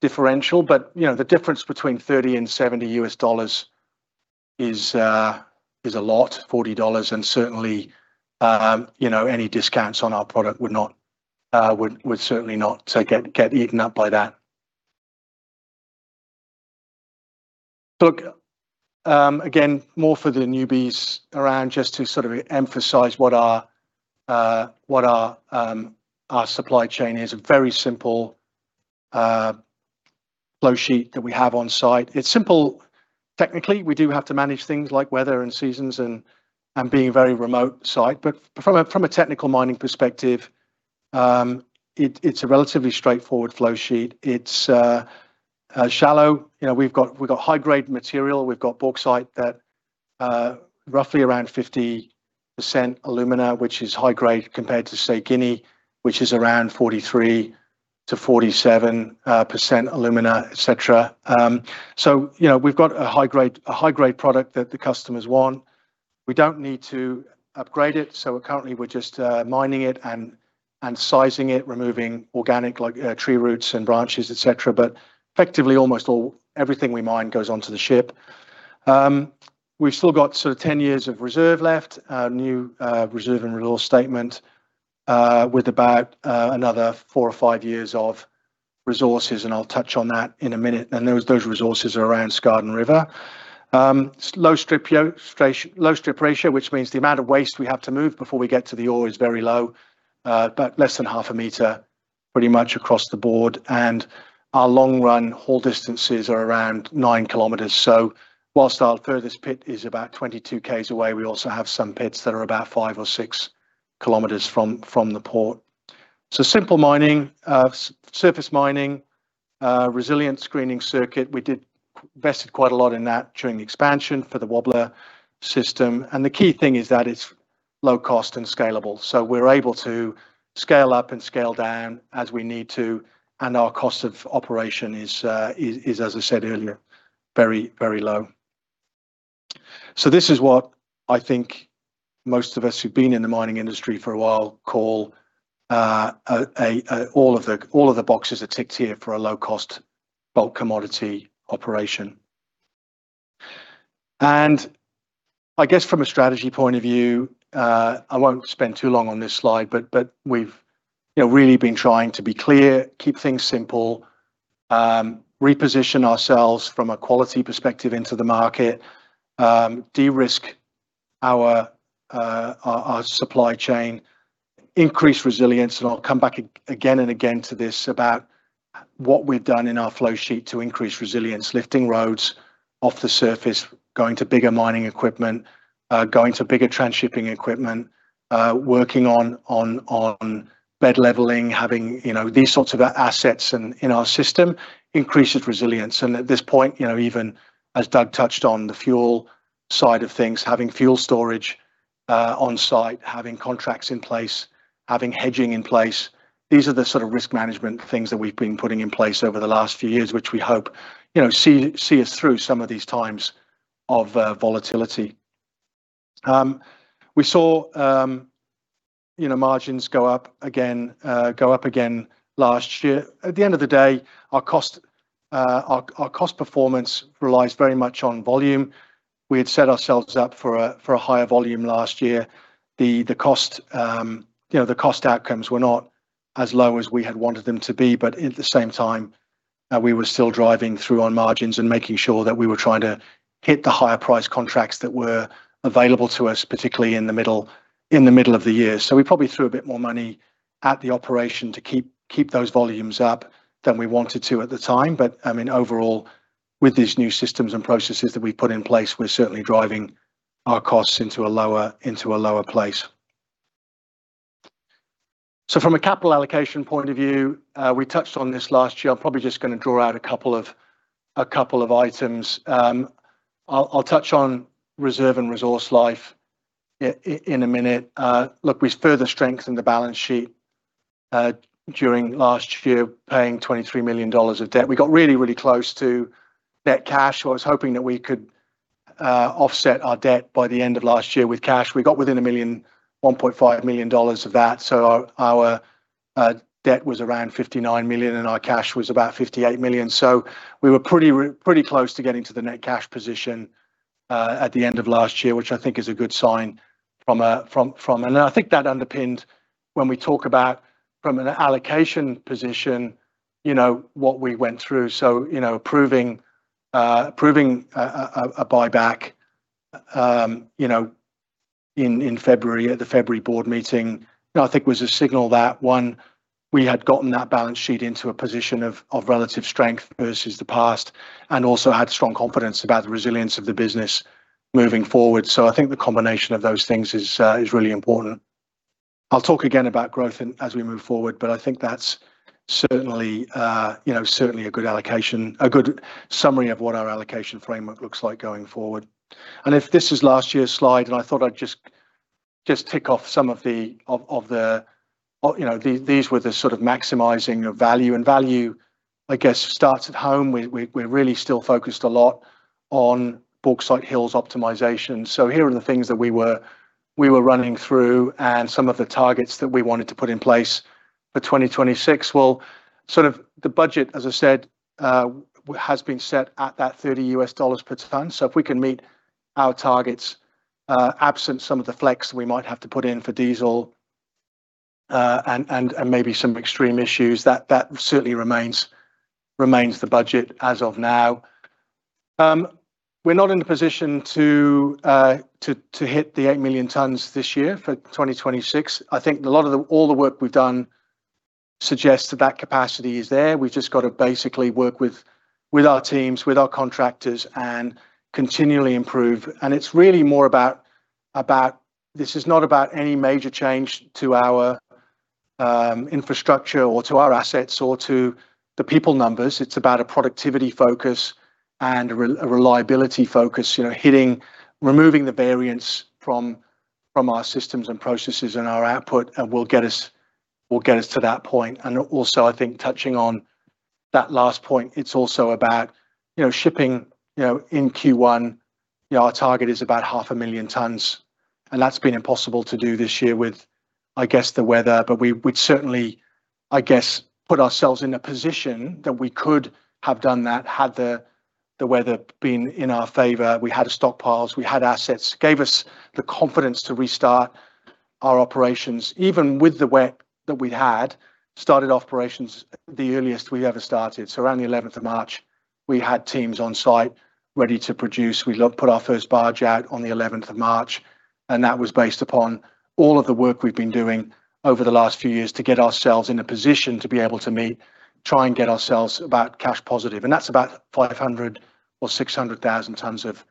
differential. The difference between $30 and $70 is a lot, $40, and certainly, any discounts on our product would certainly not get eaten up by that. Look, again, more for the newbies around just to emphasize what our supply chain is. A very simple flow sheet that we have on site. It's simple. Technically, we do have to manage things like weather and seasons and being a very remote site. From a technical mining perspective, it's a relatively straightforward flow sheet. It's shallow. We've got high-grade material. We've got bauxite that roughly around 50% alumina, which is high grade compared to, say, Guinea, which is around 43% to 47% alumina, et cetera. We've got a high-grade product that the customers want. We don't need to upgrade it, so currently we're just mining it and sizing it, removing organic tree roots and branches, et cetera. Effectively, almost everything we mine goes onto the ship. We've still got 10 years of reserve left, a new reserve and resource statement with about another four or five years of resources, and I'll touch on that in a minute. Those resources are around Skardon River. Low strip ratio, which means the amount of waste we have to move before we get to the ore is very low, about less than half a meter pretty much across the board. Our long-run haul distances are around 9 km. Whilst our furthest pit is about 22 km away, we also have some pits that are about 5 or 6 km from the port. Simple mining, surface mining, resilience screening circuit. We did invest quite a lot in that during the expansion for the wobbler system. The key thing is that it's low cost and scalable. We're able to scale up and scale down as we need to, and our cost of operation is, as I said earlier, very low. This is what I think most of us who've been in the mining industry for a while call, all of the boxes are ticked here for a low-cost bulk commodity operation. I guess from a strategy point of view, I won't spend too long on this slide, but we've really been trying to be clear, keep things simple, reposition ourselves from a quality perspective into the market, de-risk our supply chain, increase resilience. I'll come back again and again to this about what we've done in our flow sheet to increase resilience, lifting roads off the surface, going to bigger mining equipment, going to bigger transhipping equipment, working on bed leveling, having these sorts of assets in our system increases resilience. At this point, even as Doug touched on the fuel side of things, having fuel storage on site, having contracts in place, having hedging in place, these are the sort of risk management things that we've been putting in place over the last few years, which we hope see us through some of these times of volatility. We saw margins go up again last year. At the end of the day, our cost performance relies very much on volume. We had set ourselves up for a higher volume last year. The cost outcomes were not as low as we had wanted them to be. At the same time, we were still driving through on margins and making sure that we were trying to hit the higher price contracts that were available to us, particularly in the middle of the year. We probably threw a bit more money at the operation to keep those volumes up than we wanted to at the time. Overall, with these new systems and processes that we've put in place, we're certainly driving our costs into a lower place. From a capital allocation point of view, we touched on this last year. I'm probably just going to draw out a couple of items. I'll touch on reserve and resource life in a minute. Look, we further strengthened the balance sheet during last year, paying 23 million dollars of debt. We got really, really close to net cash. I was hoping that we could offset our debt by the end of last year with cash. We got within 1 million, 1.5 million dollars of that. Our debt was around 59 million, and our cash was about 58 million. We were pretty close to getting to the net cash position at the end of last year, which I think is a good sign. I think that underpinned when we talk about from an allocation position, what we went through. Approving a buyback in February at the February board meeting, I think was a signal that, one, we had gotten that balance sheet into a position of relative strength versus the past and also had strong confidence about the resilience of the business moving forward. I think the combination of those things is really important. I'll talk again about growth as we move forward, but I think that's certainly a good summary of what our allocation framework looks like going forward. If this is last year's slide, I thought I'd just tick off some of the These were the sort of maximizing of value, and value, I guess, starts at home. We're really still focused a lot on Bauxite Hills optimization. Here are the things that we were running through and some of the targets that we wanted to put in place for 2026. Well, sort of the budget, as I said, has been set at that $30 per ton. If we can meet our targets, absent some of the flex that we might have to put in for diesel, and maybe some extreme issues, that certainly remains the budget as of now. We're not in a position to hit the eight million tons this year for 2026. I think all the work we've done suggests that that capacity is there. We've just got to basically work with our teams, with our contractors and continually improve. It's really more about. This is not about any major change to our infrastructure or to our assets or to the people numbers. It's about a productivity focus and a reliability focus, removing the variance from our systems and processes and our output will get us to that point. Also, I think touching on that last point, it's also about shipping in Q1. Our target is about 500,000 tons, and that's been impossible to do this year with, I guess, the weather. But we'd certainly, I guess, put ourselves in a position that we could have done that had the weather been in our favor. We had stockpiles, we had assets. It gave us the confidence to restart our operations, even with the wet that we'd had. Started operations the earliest we've ever started, so around the 11th of March, we had teams on site ready to produce. We put our first barge out on the 11th of March, and that was based upon all of the work we've been doing over the last few years to get ourselves in a position to be able to meet, try and get ourselves about cash positive. That's about 500,000 or 600,000 tons of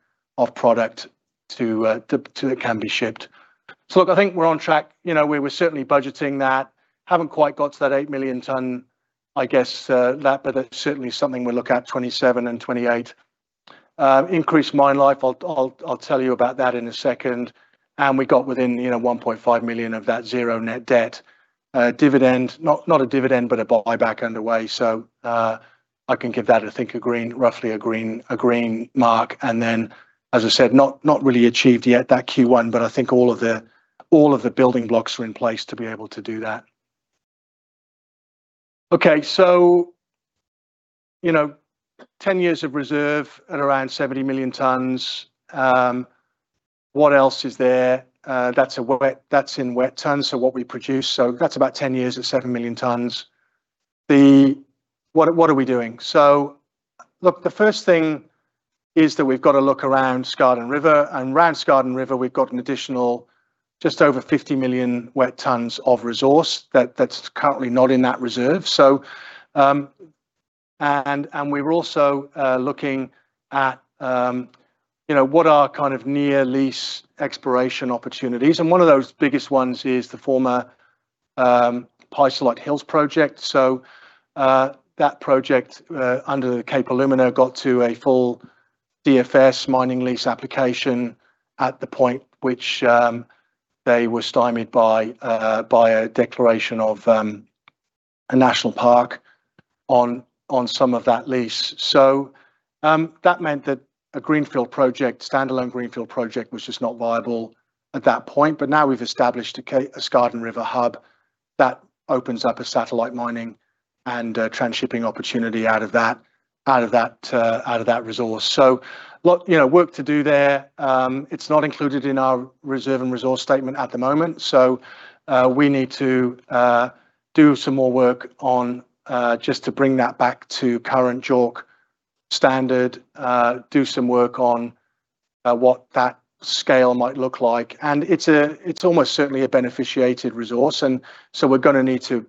product so it can be shipped. Look, I think we're on track. We were certainly budgeting that. Haven't quite got to that eight million ton, I guess, but that's certainly something we'll look at 2027 and 2028. Increased mine life, I'll tell you about that in a second. We got within 1.5 million of that zero net debt. Dividend, not a dividend, but a buyback underway. I can give that, I think, a green, roughly a green mark. As I said, not really achieved yet that Q1, but I think all of the building blocks are in place to be able to do that. Okay. 10 years of reserve at around 70 million tons. What else is there? That's in wet tons, so what we produce. That's about 10 years at seven million tons. What are we doing? Look, the first thing is that we've got to look around Skardon River, and around Skardon River, we've got an additional just over 50 million wet tons of resource that's currently not in that reserve. We're also looking at what are kind of near lease exploration opportunities, and one of those biggest ones is the former Pisolite Hills project. That project, under the Cape Alumina, got to a full DFS mining lease application at the point which they were stymied by a declaration of a national park on some of that lease. That meant that a stand-alone greenfield project was just not viable at that point. Now we've established a Skardon River hub that opens up a satellite mining and transhipping opportunity out of that resource. Look, work to do there. It's not included in our reserve and resource statement at the moment, so we need to do some more work on just to bring that back to current JORC standard. Do some work on what that scale might look like. It's almost certainly a beneficiated resource, and so we're going to need to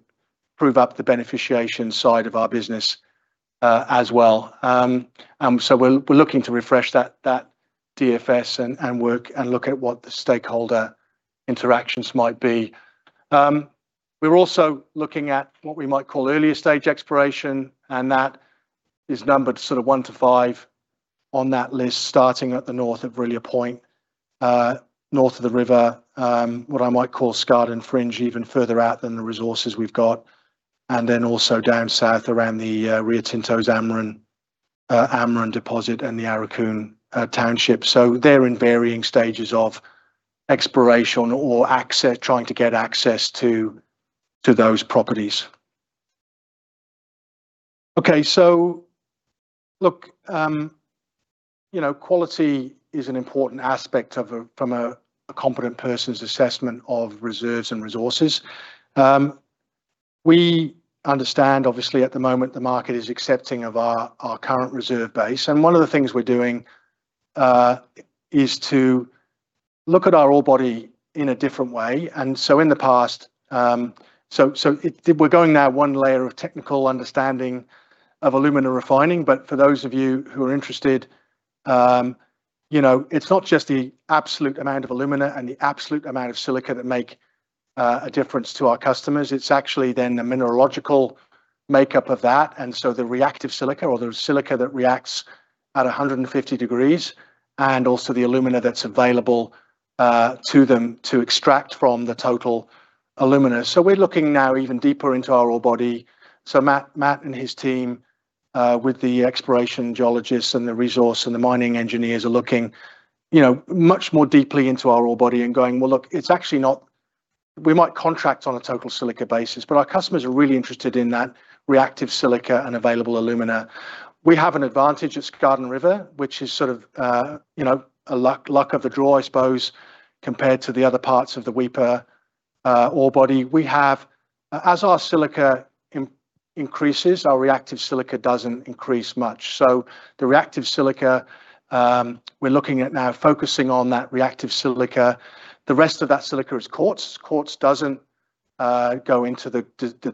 prove up the beneficiation side of our business, as well. We're looking to refresh that DFS and work and look at what the stakeholder interactions might be. We're also looking at what we might call earlier stage exploration, and that is numbered sort of one to five on that list, starting at the north of Vrilya Point, north of the river, what I might call Skardon Fringe, even further out than the resources we've got. Then also down south around the Rio Tinto's Amrun deposit and the Aurukun township. They're in varying stages of exploration or trying to get access to those properties. Okay. Look, quality is an important aspect from a competent person's assessment of reserves and resources. We understand, obviously, at the moment, the market is accepting of our current reserve base. One of the things we're doing is to look at our ore body in a different way. In the past, so we're going now one layer of technical understanding of alumina refining, but for those of you who are interested, it's not just the absolute amount of alumina and the absolute amount of silica that make a difference to our customers. It's actually then the mineralogical makeup of that, and so the reactive silica or the silica that reacts at 150 degrees and also the alumina that's available to them to extract from the total alumina. We're looking now even deeper into our ore body. Matt and his team, with the exploration geologists and the resource and the mining engineers, are looking much more deeply into our ore body and going, "Well, look, we might contract on a total silica basis, but our customers are really interested in that reactive silica and available alumina." We have an advantage at Skardon River, which is sort of luck of the draw, I suppose, compared to the other parts of the Weipa ore body. As our silica increases, our reactive silica doesn't increase much. The reactive silica, we're looking at now focusing on that reactive silica. The rest of that silica is quartz. Quartz doesn't go into the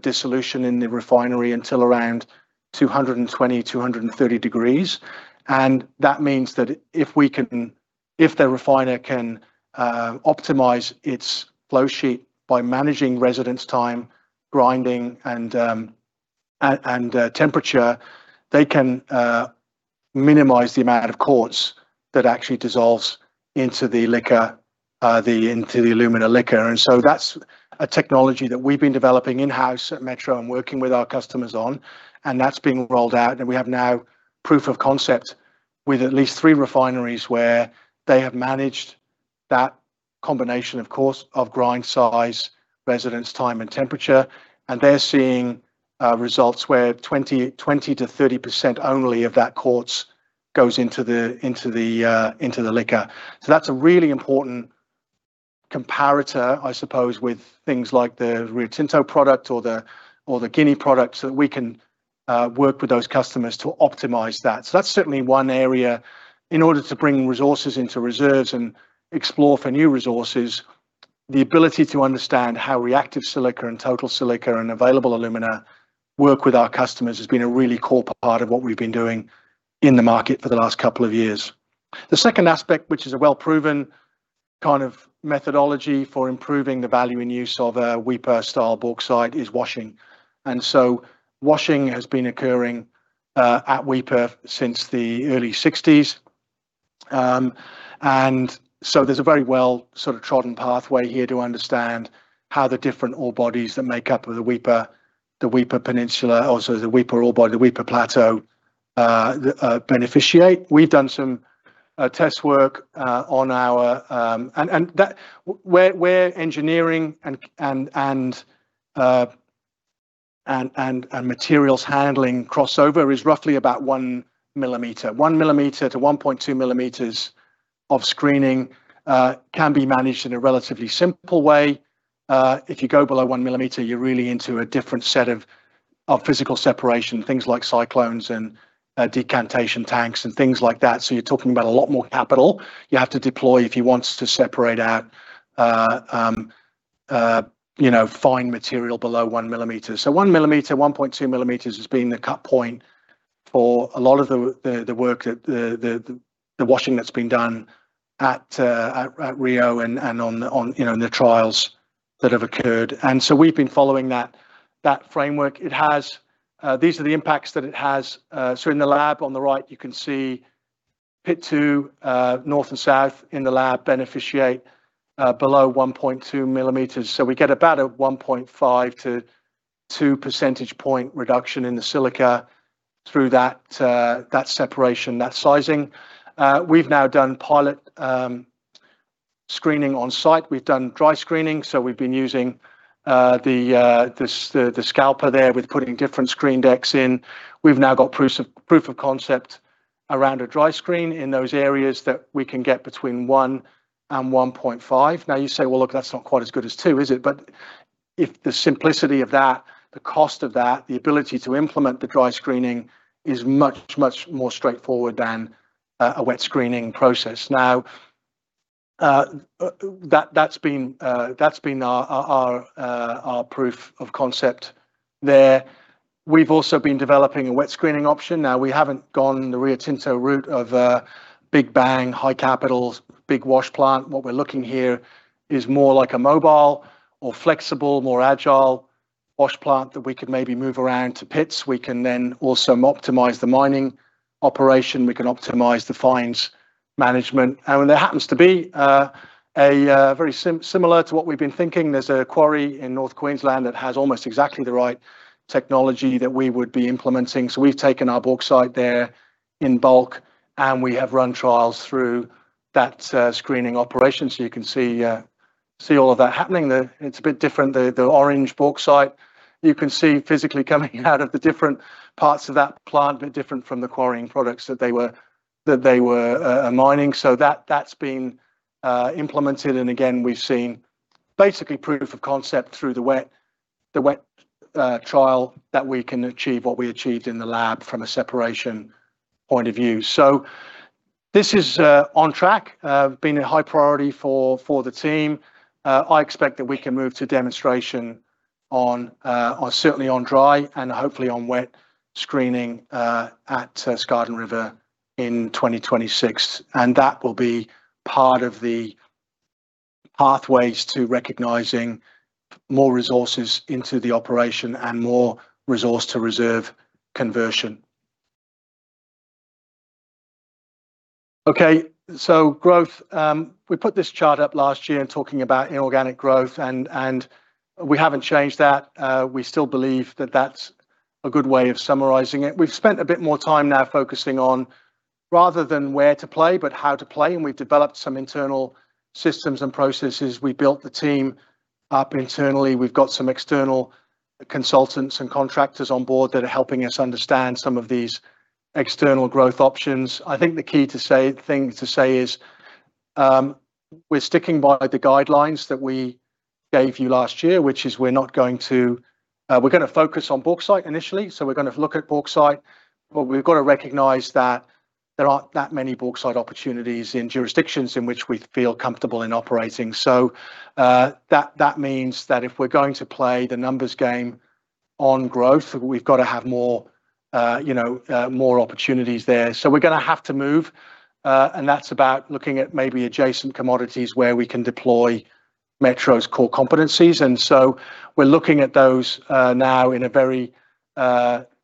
dissolution in the refinery until around 220, 230 degrees. That means that if the refiner can optimize its flow sheet by managing residence time, grinding and temperature, they can minimize the amount of quartz that actually dissolves into the alumina liquor. That's a technology that we've been developing in-house at Metro and working with our customers on, and that's being rolled out. We have now proof of concept with at least three refineries where they have managed that combination, of course, of grind size, residence time, and temperature. They're seeing results where 20%-30% only of that quartz goes into the liquor. That's a really important comparator, I suppose, with things like the Rio Tinto product or the Guinea product, so that we can work with those customers to optimize that. That's certainly one area in order to bring resources into reserves and explore for new resources. The ability to understand how reactive silica and total silica and available alumina work with our customers has been a really core part of what we've been doing in the market for the last couple of years. The second aspect, which is a well-proven kind of methodology for improving the value and use of a Weipa-style bauxite, is washing. Washing has been occurring at Weipa since the early 1960s. There's a very well sort of trodden pathway here to understand how the different ore bodies that make up the Weipa, the Weipa Peninsula, Weipa Ore, the Weipa Plateau, beneficiate. We've done some test work where engineering and materials handling crossover is roughly about 1 mm. 1 mm-1.2 mm of screening can be managed in a relatively simple way. If you go below 1 mm, you're really into a different set of physical separation, things like cyclones and decantation tanks and things like that. You're talking about a lot more capital you have to deploy if you want to separate out fine material below 1 mm. 1 mm, 1.2 mm has been the cut point for a lot of the work that the washing that's been done at Rio and on the trials that have occurred. We've been following that framework. These are the impacts that it has. In the lab on the right, you can see Pit 2 north and south in the lab beneficiate below 1.2 mmm. We get about a 1.5 to two percentage point reduction in the silica through that separation, that sizing. We've now done pilot screening on site. We've done dry screening, so we've been using the scalper there with putting different screen decks in. We've now got proof of concept around a dry screen in those areas that we can get between one and 1.5. Now you say, "Well, look, that's not quite as good as two, is it?" If the simplicity of that, the cost of that, the ability to implement the dry screening, is much, much more straightforward than a wet screening process. Now, that's been our proof of concept there. We've also been developing a wet screening option. Now, we haven't gone the Rio Tinto route of a big bang, high capitals, big wash plant. What we're looking here is more like a mobile or flexible, more agile wash plant that we could maybe move around to pits. We can then also optimize the mining operation. We can optimize the fines management. There happens to be a very similar to what we've been thinking. There's a quarry in North Queensland that has almost exactly the right technology that we would be implementing. We've taken our bauxite there in bulk, and we have run trials through that screening operation. You can see all of that happening there. It's a bit different. The orange bauxite you can see physically coming out of the different parts of that plant, a bit different from the quarrying products that they were mining. That's been implemented, and again, we've seen basically proof of concept through the wet trial that we can achieve what we achieved in the lab from a separation point of view. This is on track. It's been a high priority for the team. I expect that we can move to demonstration certainly on dry and hopefully on wet screening at Skardon River in 2026. That will be part of the pathways to recognizing more resources into the operation and more resource to reserve conversion. Okay, growth. We put this chart up last year talking about inorganic growth and we haven't changed that. We still believe that that's a good way of summarizing it. We've spent a bit more time now focusing on rather than where to play, but how to play, and we've developed some internal systems and processes. We built the team up internally. We've got some external consultants and contractors on board that are helping us understand some of these external growth options. I think the key thing to say is, we're sticking by the guidelines that we gave you last year, which is we're going to focus on bauxite initially. We're going to look at bauxite. But we've got to recognize that there aren't that many bauxite opportunities in jurisdictions in which we feel comfortable in operating. That means that if we're going to play the numbers game on growth, we've got to have more opportunities there. We're going to have to move, and that's about looking at maybe adjacent commodities where we can deploy Metro's core competencies, and so we're looking at those now in a very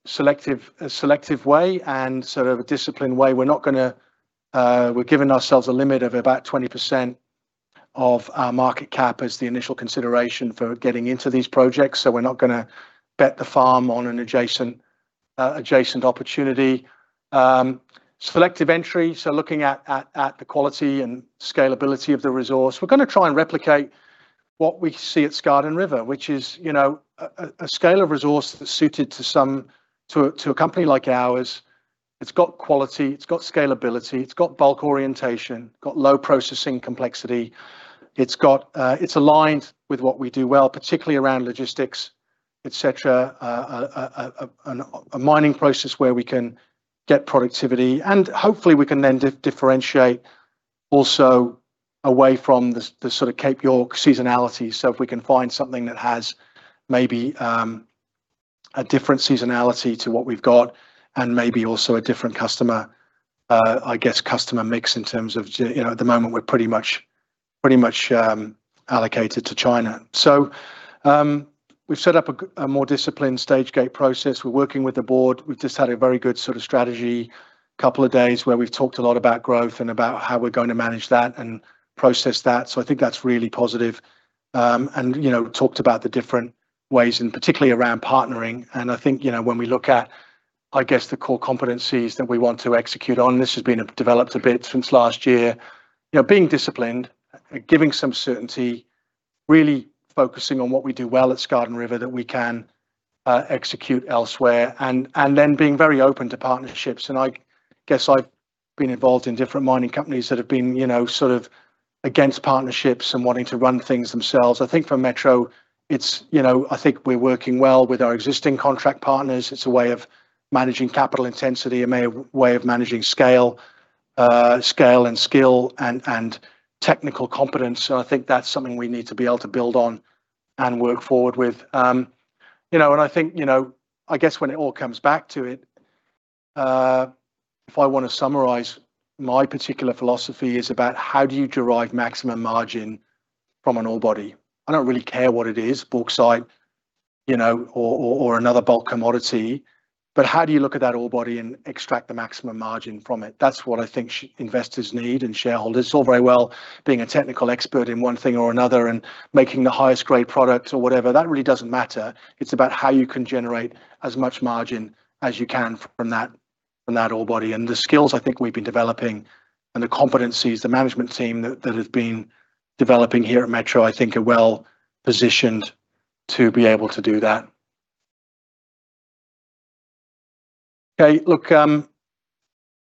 selective way and sort of a disciplined way. We're giving ourselves a limit of about 20% of our market cap as the initial consideration for getting into these projects. We're not going to bet the farm on an adjacent opportunity. Selective entry, looking at the quality and scalability of the resource. We're going to try and replicate what we see at Skardon River, which is a scale of resource that's suited to a company like ours. It's got quality, it's got scalability, it's got bulk orientation, got low processing complexity. It's aligned with what we do well, particularly around logistics, et cetera. A mining process where we can get productivity, and hopefully we can then differentiate also away from the sort of Cape York seasonality. If we can find something that has maybe a different seasonality to what we've got and maybe also a different customer, I guess customer mix in terms of, at the moment we're pretty much allocated to China. We've set up a more disciplined stage gate process. We're working with the board. We've just had a very good sort of strategy couple of days where we've talked a lot about growth and about how we're going to manage that and process that. I think that's really positive. We talked about the different ways in, particularly around partnering, and I think, when we look at, I guess the core competencies that we want to execute on, this has been developed a bit since last year, being disciplined, giving some certainty, really focusing on what we do well at Skardon River that we can execute elsewhere, being very open to partnerships, and I guess I've been involved in different mining companies that have been sort of against partnerships and wanting to run things themselves. I think for Metro, I think we're working well with our existing contract partners. It's a way of managing capital intensity, a way of managing scale and skill and technical competence. I think that's something we need to be able to build on and work forward with. I think, I guess when it all comes back to it, if I want to summarize my particular philosophy is about how do you derive maximum margin from an ore body? I don't really care what it is, bauxite, or another bulk commodity, but how do you look at that ore body and extract the maximum margin from it? That's what I think investors need and shareholders. It's all very well being a technical expert in one thing or another and making the highest grade product or whatever. That really doesn't matter. It's about how you can generate as much margin as you can from that ore body. The skills I think we've been developing and the competencies, the management team that have been developing here at Metro, I think are well positioned to be able to do that. Okay, look,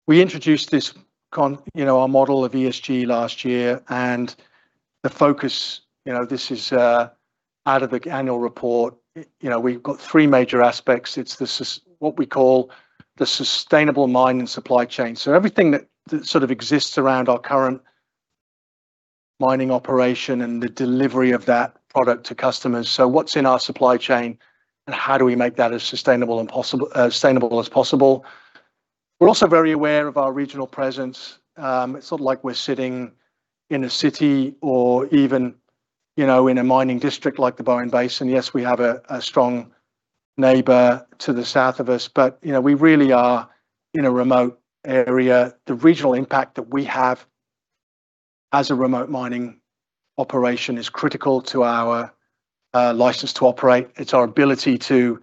we introduced our model of ESG last year and the focus. This is out of the annual report. We've got three major aspects. It's what we call the sustainable mine and supply chain. So everything that sort of exists around our current mining operation and the delivery of that product to customers. So what's in our supply chain and how do we make that as sustainable as possible. We're also very aware of our regional presence. It's not like we're sitting in a city or even in a mining district like the Bowen Basin. Yes, we have a strong neighbor to the south of us, but we really are in a remote area. The regional impact that we have as a remote mining operation is critical to our license to operate. It's our ability to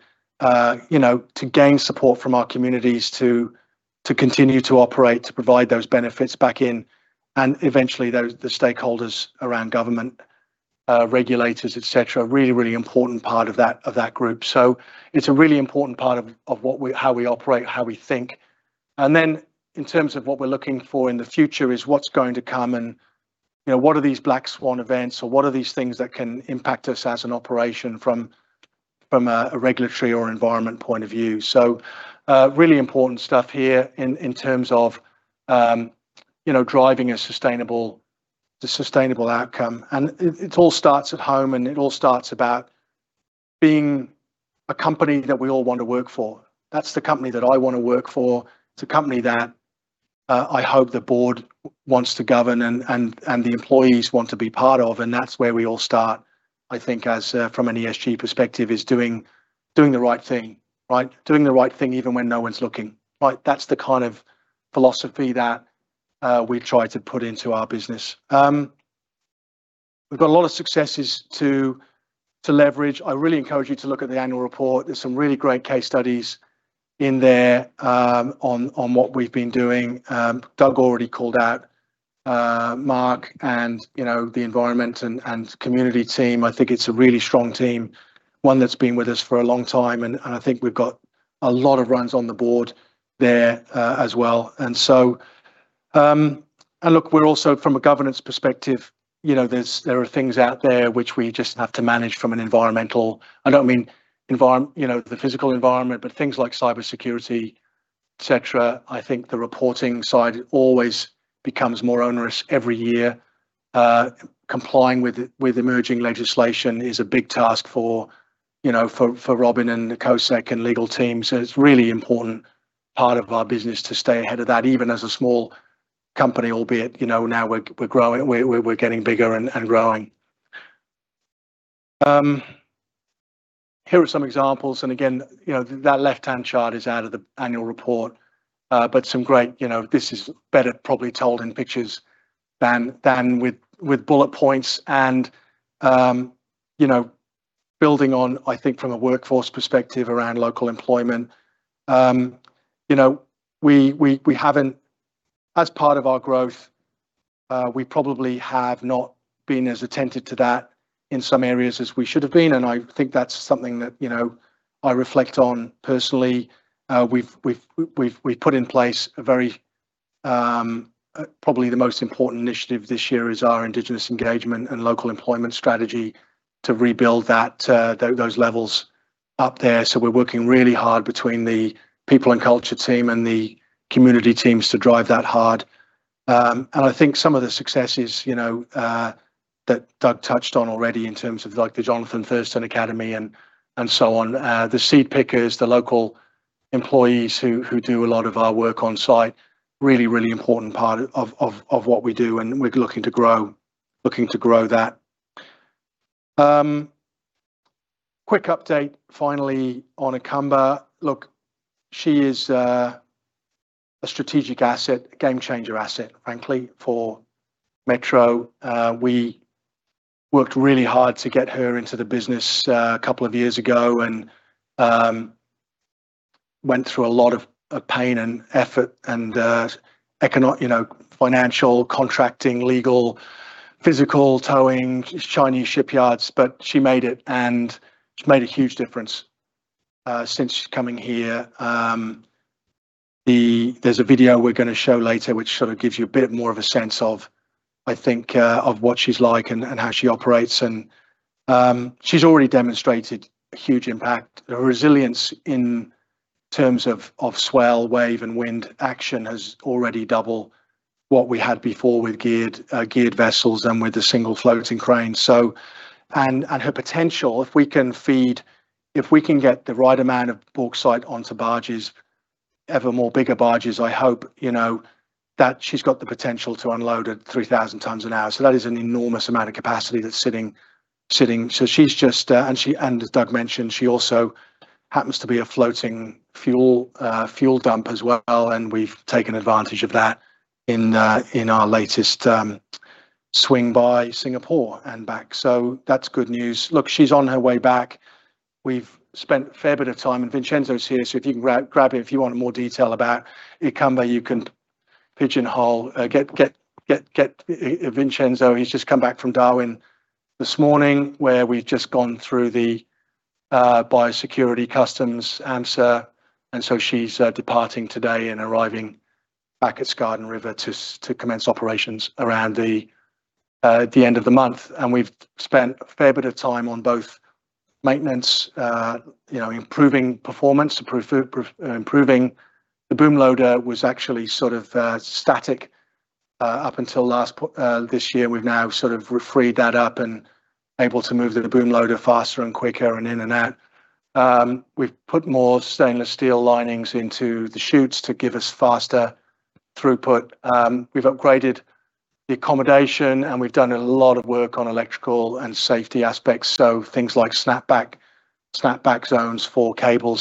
gain support from our communities to continue to operate, to provide those benefits back in, and eventually the stakeholders around government, regulators, et cetera, are a really, really important part of that group. It's a really important part of how we operate, how we think. In terms of what we're looking for in the future is what's going to come and what are these black swan events, or what are these things that can impact us as an operation from a regulatory or environment point of view? Really important stuff here in terms of driving a sustainable outcome. It all starts at home, and it all starts about being a company that we all want to work for. That's the company that I want to work for, it's the company that I hope the board wants to govern and the employees want to be part of, and that's where we all start, I think as from an ESG perspective is doing the right thing, right? Doing the right thing even when no one's looking, right? That's the kind of philosophy that we try to put into our business. We've got a lot of successes to leverage. I really encourage you to look at the annual report. There's some really great case studies in there, on what we've been doing. Doug already called out Mark and the environment and community team. I think it's a really strong team, one that's been with us for a long time, and I think we've got a lot of runs on the board there as well. Look, we're also from a governance perspective, there are things out there which we just have to manage from an environmental, I don't mean the physical environment, but things like cybersecurity, et cetera. I think the reporting side always becomes more onerous every year. Complying with emerging legislation is a big task for Robin and the co-sec and legal team. It's really important. Part of our business to stay ahead of that, even as a small company, albeit now we're getting bigger and growing. Here are some examples. Again, that left-hand chart is out of the annual report. Some great. This is better probably told in pictures than with bullet points and building on, I think, from a workforce perspective around local employment. As part of our growth, we probably have not been as attentive to that in some areas as we should have been, and I think that's something that I reflect on personally. We've put in place. Probably the most important initiative this year is our indigenous engagement and local employment strategy to rebuild those levels up there. We're working really hard between the people and culture team and the community teams to drive that hard. I think some of the successes that Doug touched on already in terms of the Johnathan Thurston Academy and so on, the seed pickers, the local employees who do a lot of our work on site, really important part of what we do, and we're looking to grow that. Quick update, finally, on Ikamba. Look, she is a strategic asset, a game-changer asset, frankly, for Metro. We worked really hard to get her into the business a couple of years ago and went through a lot of pain and effort and financial, contracting, legal, physical, towing, Chinese shipyards, but she made it, and she's made a huge difference since coming here. There's a video we're going to show later which sort of gives you a bit more of a sense of, I think, of what she's like and how she operates, and she's already demonstrated a huge impact. Her resilience in terms of swell, wave, and wind action has already doubled what we had before with geared vessels than with a single floating crane. Her potential, if we can get the right amount of bauxite onto barges, ever more bigger barges, I hope, that she's got the potential to unload at 3,000 tons an hour. That is an enormous amount of capacity that's sitting. As Doug mentioned, she also happens to be a floating fuel dump as well, and we've taken advantage of that in our latest swing by Singapore and back. That's good news. Look, she's on her way back. We've spent a fair bit of time, and Vincenzo's here, so if you can grab him if you want more detail about Ikamba, you can pigeonhole, get Vincenzo. He's just come back from Darwin this morning where we've just gone through the biosecurity, customs, and survey, and so she's departing today and arriving back at Skardon River to commence operations around the end of the month. We've spent a fair bit of time on both maintenance, improving performance. The boom loader was actually sort of static up until this year. We've now sort of freed that up and able to move the boom loader faster and quicker and in and out. We've put more stainless steel linings into the chutes to give us faster throughput. We've upgraded the accommodation, and we've done a lot of work on electrical and safety aspects, so things like snap-back zones for cables.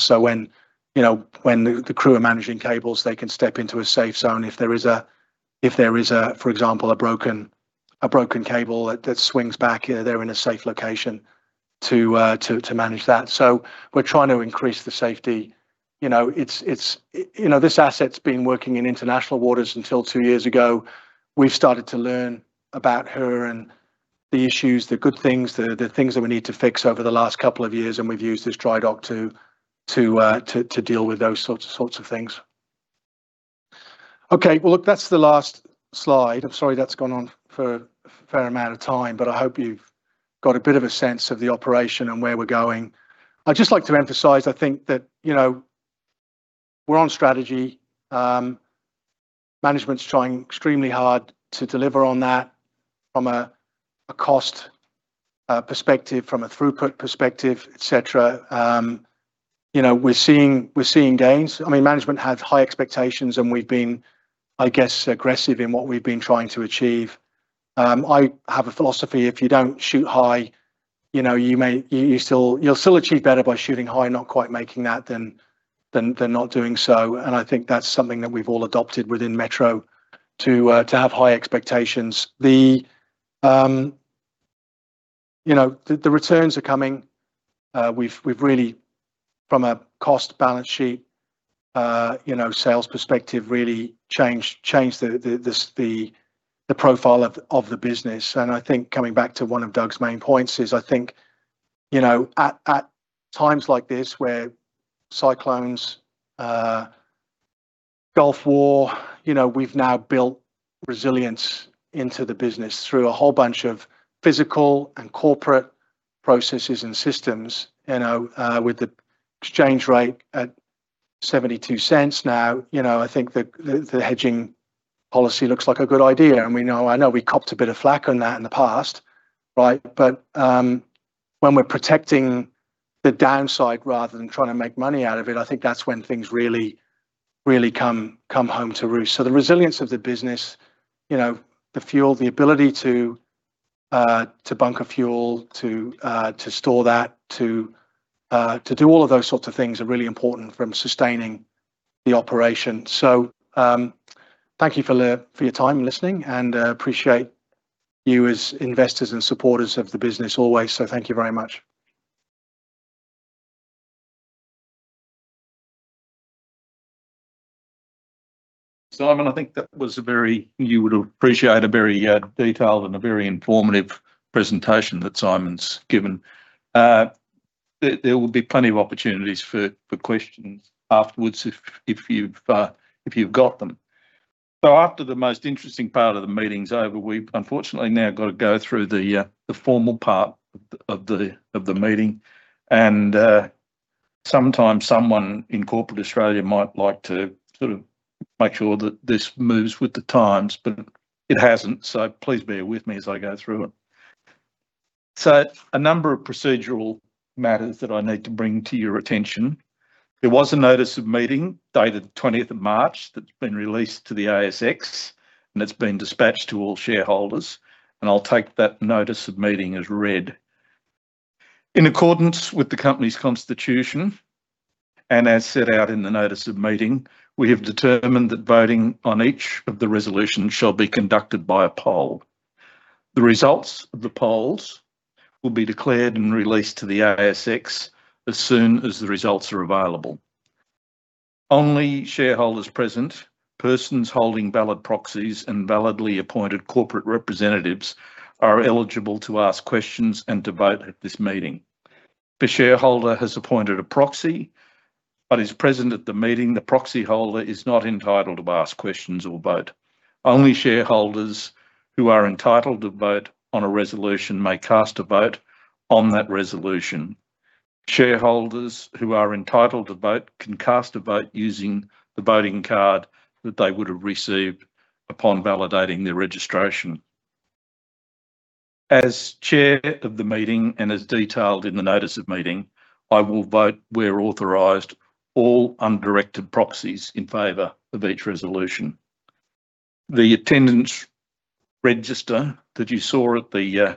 When the crew are managing cables, they can step into a safe zone if there is, for example, a broken cable that swings back, they're in a safe location to manage that. We're trying to increase the safety. This asset's been working in international waters until two years ago. We've started to learn about her and the issues, the good things, the things that we need to fix over the last couple of years, and we've used this dry dock to deal with those sorts of things. Okay. Well, look, that's the last slide. I'm sorry that's gone on for a fair amount of time, but I hope you've got a bit of a sense of the operation and where we're going. I'd just like to emphasize, I think that we're on strategy. Management's trying extremely hard to deliver on that from a cost perspective, from a throughput perspective, et cetera. We're seeing gains. Management have high expectations, and we've been, I guess, aggressive in what we've been trying to achieve. I have a philosophy, if you don't shoot high, you'll still achieve better by shooting high and not quite making that than not doing so, and I think that's something that we've all adopted within Metro to have high expectations. The returns are coming. We've really, from a cost balance sheet, sales perspective, really changed the profile of the business. I think coming back to one of Doug's main points is, I think, at times like this where cyclones, Gulf War, we've now built resilience into the business through a whole bunch of physical and corporate processes and systems. With the exchange rate at 0.72 now, I think the hedging policy looks like a good idea, and I know we copped a bit of flak on that in the past. When we're protecting the downside rather than trying to make money out of it, I think that's when things really come home to roost. The resilience of the business, the fuel, the ability to bunker fuel, to store that, to do all of those sorts of things are really important from sustaining the operation. Thank you for your time in listening and appreciate you as investors and supporters of the business always. Thank you very much. Simon, I think that was, you would appreciate, a very detailed and a very informative presentation that Simon's given. There will be plenty of opportunities for questions afterwards if you've got them. After the most interesting part of the meeting's over, we've unfortunately now got to go through the formal part of the meeting. Sometimes someone in corporate Australia might like to make sure that this moves with the times, but it hasn't. Please bear with me as I go through it. A number of procedural matters that I need to bring to your attention. There was a notice of meeting dated the 20th of March that's been released to the ASX, and it's been dispatched to all shareholders, and I'll take that notice of meeting as read. In accordance with the company's constitution and as set out in the notice of meeting, we have determined that voting on each of the resolutions shall be conducted by a poll. The results of the polls will be declared and released to the ASX as soon as the results are available. Only shareholders present, persons holding valid proxies, and validly appointed corporate representatives are eligible to ask questions and to vote at this meeting. If a shareholder has appointed a proxy but is present at the meeting, the proxyholder is not entitled to ask questions or vote. Only shareholders who are entitled to vote on a resolution may cast a vote on that resolution. Shareholders who are entitled to vote can cast a vote using the voting card that they would have received upon validating their registration. As Chair of the meeting and as detailed in the Notice of Meeting, I will vote where authorized all undirected proxies in favor of each resolution. The attendance register that you saw at the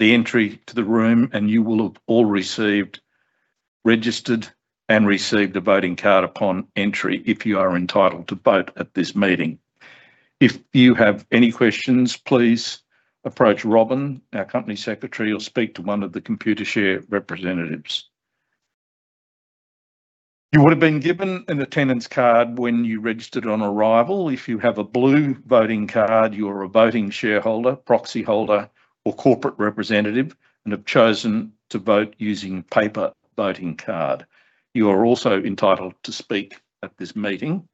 entry to the room, and you will have all registered and received a voting card upon entry if you are entitled to vote at this meeting. If you have any questions, please approach Robin, our Company Secretary, or speak to one of the Computershare representatives. You would have been given an attendance card when you registered on arrival. If you have a blue voting card, you are a voting shareholder, proxyholder, or corporate representative, and have chosen to vote using paper voting card. You are also entitled to speak at this meeting.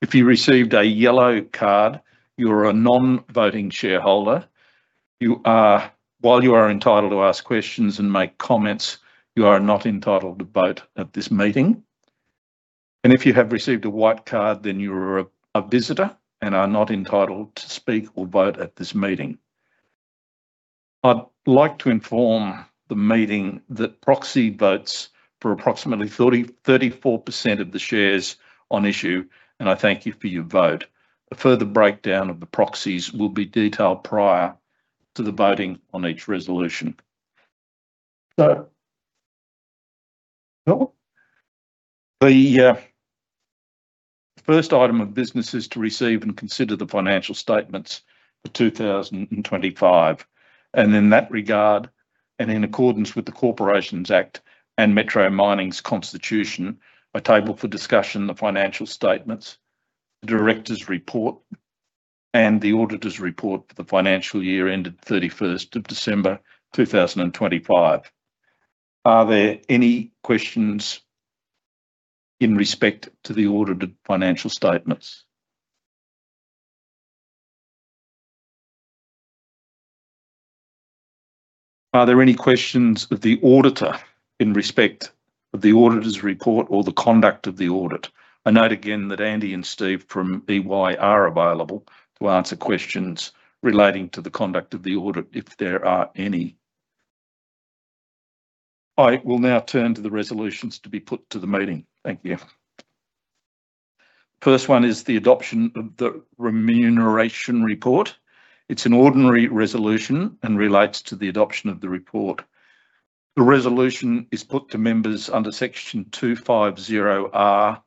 If you received a yellow card, you are a non-voting shareholder. While you are entitled to ask questions and make comments, you are not entitled to vote at this meeting. If you have received a white card, then you are a visitor and are not entitled to speak or vote at this meeting. I'd like to inform the meeting that proxy votes for approximately 34% of the shares on issue, and I thank you for your vote. A further breakdown of the proxies will be detailed prior to the voting on each resolution. The first item of business is to receive and consider the financial statements for 2025, and in that regard, and in accordance with the Corporations Act and Metro Mining's constitution, I table for discussion the financial statements, the directors' report, and the auditors' report for the financial year ended 31st of December 2025. Are there any questions in respect to the audited financial statements? Are there any questions of the auditor in respect of the auditor's report or the conduct of the audit? I note again that Andy and Steve from EY are available to answer questions relating to the conduct of the audit, if there are any. I will now turn to the resolutions to be put to the meeting. Thank you. First one is the adoption of the remuneration report. It's an ordinary resolution and relates to the adoption of the report. The resolution is put to members under Section 250R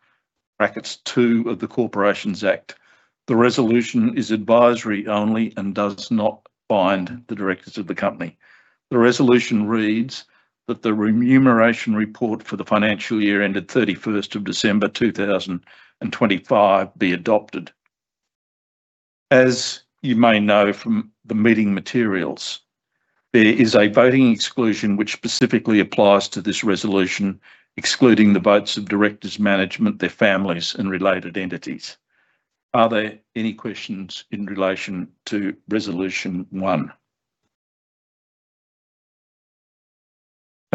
of the Corporations Act. The resolution is advisory only and does not bind the directors of the company. The resolution reads that the remuneration report for the financial year ended 31st of December 2025 be adopted. As you may know from the meeting materials, there is a voting exclusion which specifically applies to this resolution, excluding the votes of directors, management, their families, and related entities. Are there any questions in relation to resolution one?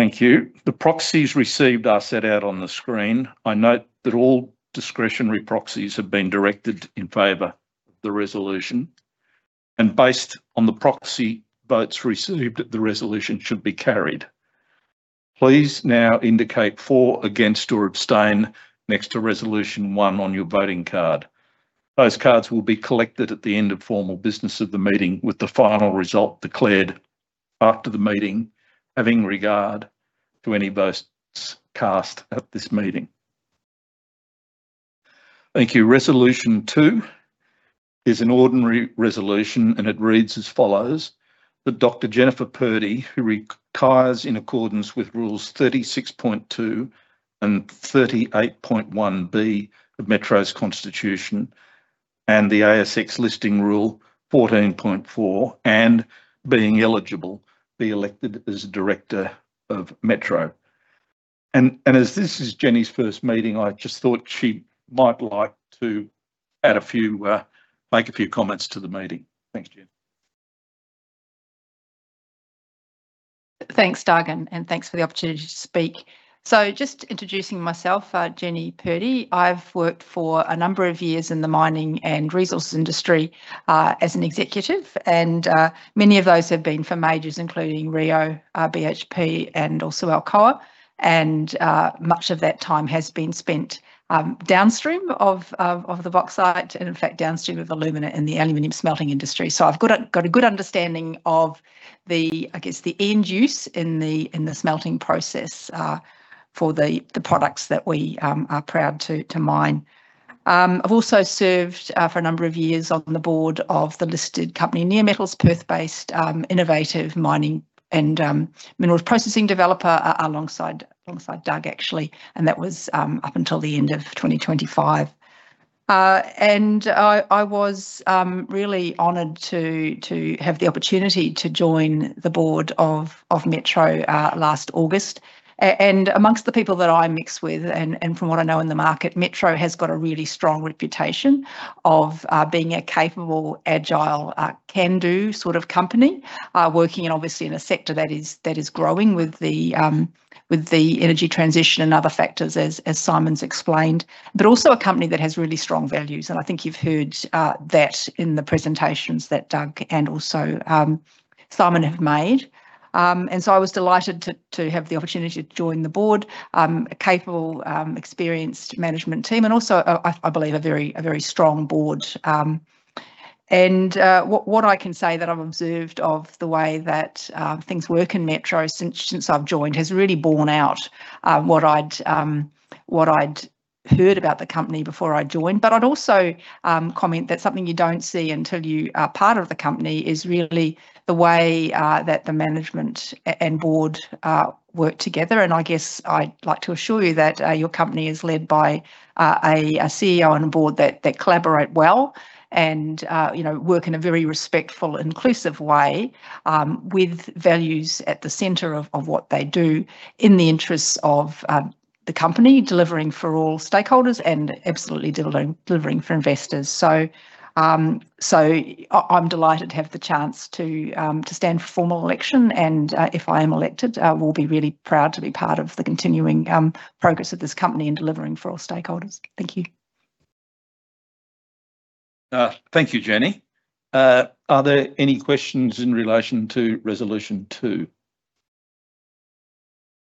Thank you. The proxies received are set out on the screen. I note that all discretionary proxies have been directed in favor of the resolution. Based on the proxy votes received, the resolution should be carried. Please now indicate for, against, or abstain next to resolution one on your voting card. Those cards will be collected at the end of formal business of the meeting, with the final result declared after the meeting, having regard to any votes cast at this meeting. Thank you. Resolution two is an ordinary resolution, and it reads as follows. That Dr Jennifer Purdie, who retires in accordance with Rules 36.2 and 38.1B of Metro's constitution and the ASX Listing Rule 14.4, and being eligible, be elected as a director of Metro." As this is Jenny's first meeting, I just thought she might like to make a few comments to the meeting. Thanks, Jen. Thanks, Doug, and thanks for the opportunity to speak. Just introducing myself, Jenny Purdie. I've worked for a number of years in the mining and resources industry, as an executive, and many of those have been for majors including Rio, BHP, and also Alcoa. Much of that time has been spent downstream of the bauxite and, in fact, downstream of alumina in the aluminum smelting industry. I've got a good understanding of the, I guess, the end use in the smelting process, for the products that we are proud to mine. I've also served for a number of years on the board of the listed company Neometals, Perth-based, innovative mining and minerals processing developer, alongside Doug, actually. That was up until the end of 2025. I was really honored to have the opportunity to join the board of Metro last August. Amongst the people that I mix with, and from what I know in the market, Metro has got a really strong reputation of being a capable, agile, can-do sort of company, working, obviously, in a sector that is growing with the energy transition and other factors as Simon's explained. Also a company that has really strong values, and I think you've heard that in the presentations that Doug and also Simon have made. I was delighted to have the opportunity to join the board, a capable, experienced management team and also, I believe, a very strong board. What I can say that I've observed of the way that things work in Metro since I've joined has really borne out what I'd heard about the company before I joined. I'd also comment that something you don't see until you are part of the company is really the way that the management and board work together. I guess I'd like to assure you that your company is led by a CEO and a board that collaborate well and work in a very respectful, inclusive way, with values at the center of what they do in the interests of the company, delivering for all stakeholders and absolutely delivering for investors. I'm delighted to have the chance to stand for formal election and, if I am elected, I will be really proud to be part of the continuing progress of this company in delivering for all stakeholders. Thank you. Thank you, Jenny. Are there any questions in relation to resolution two?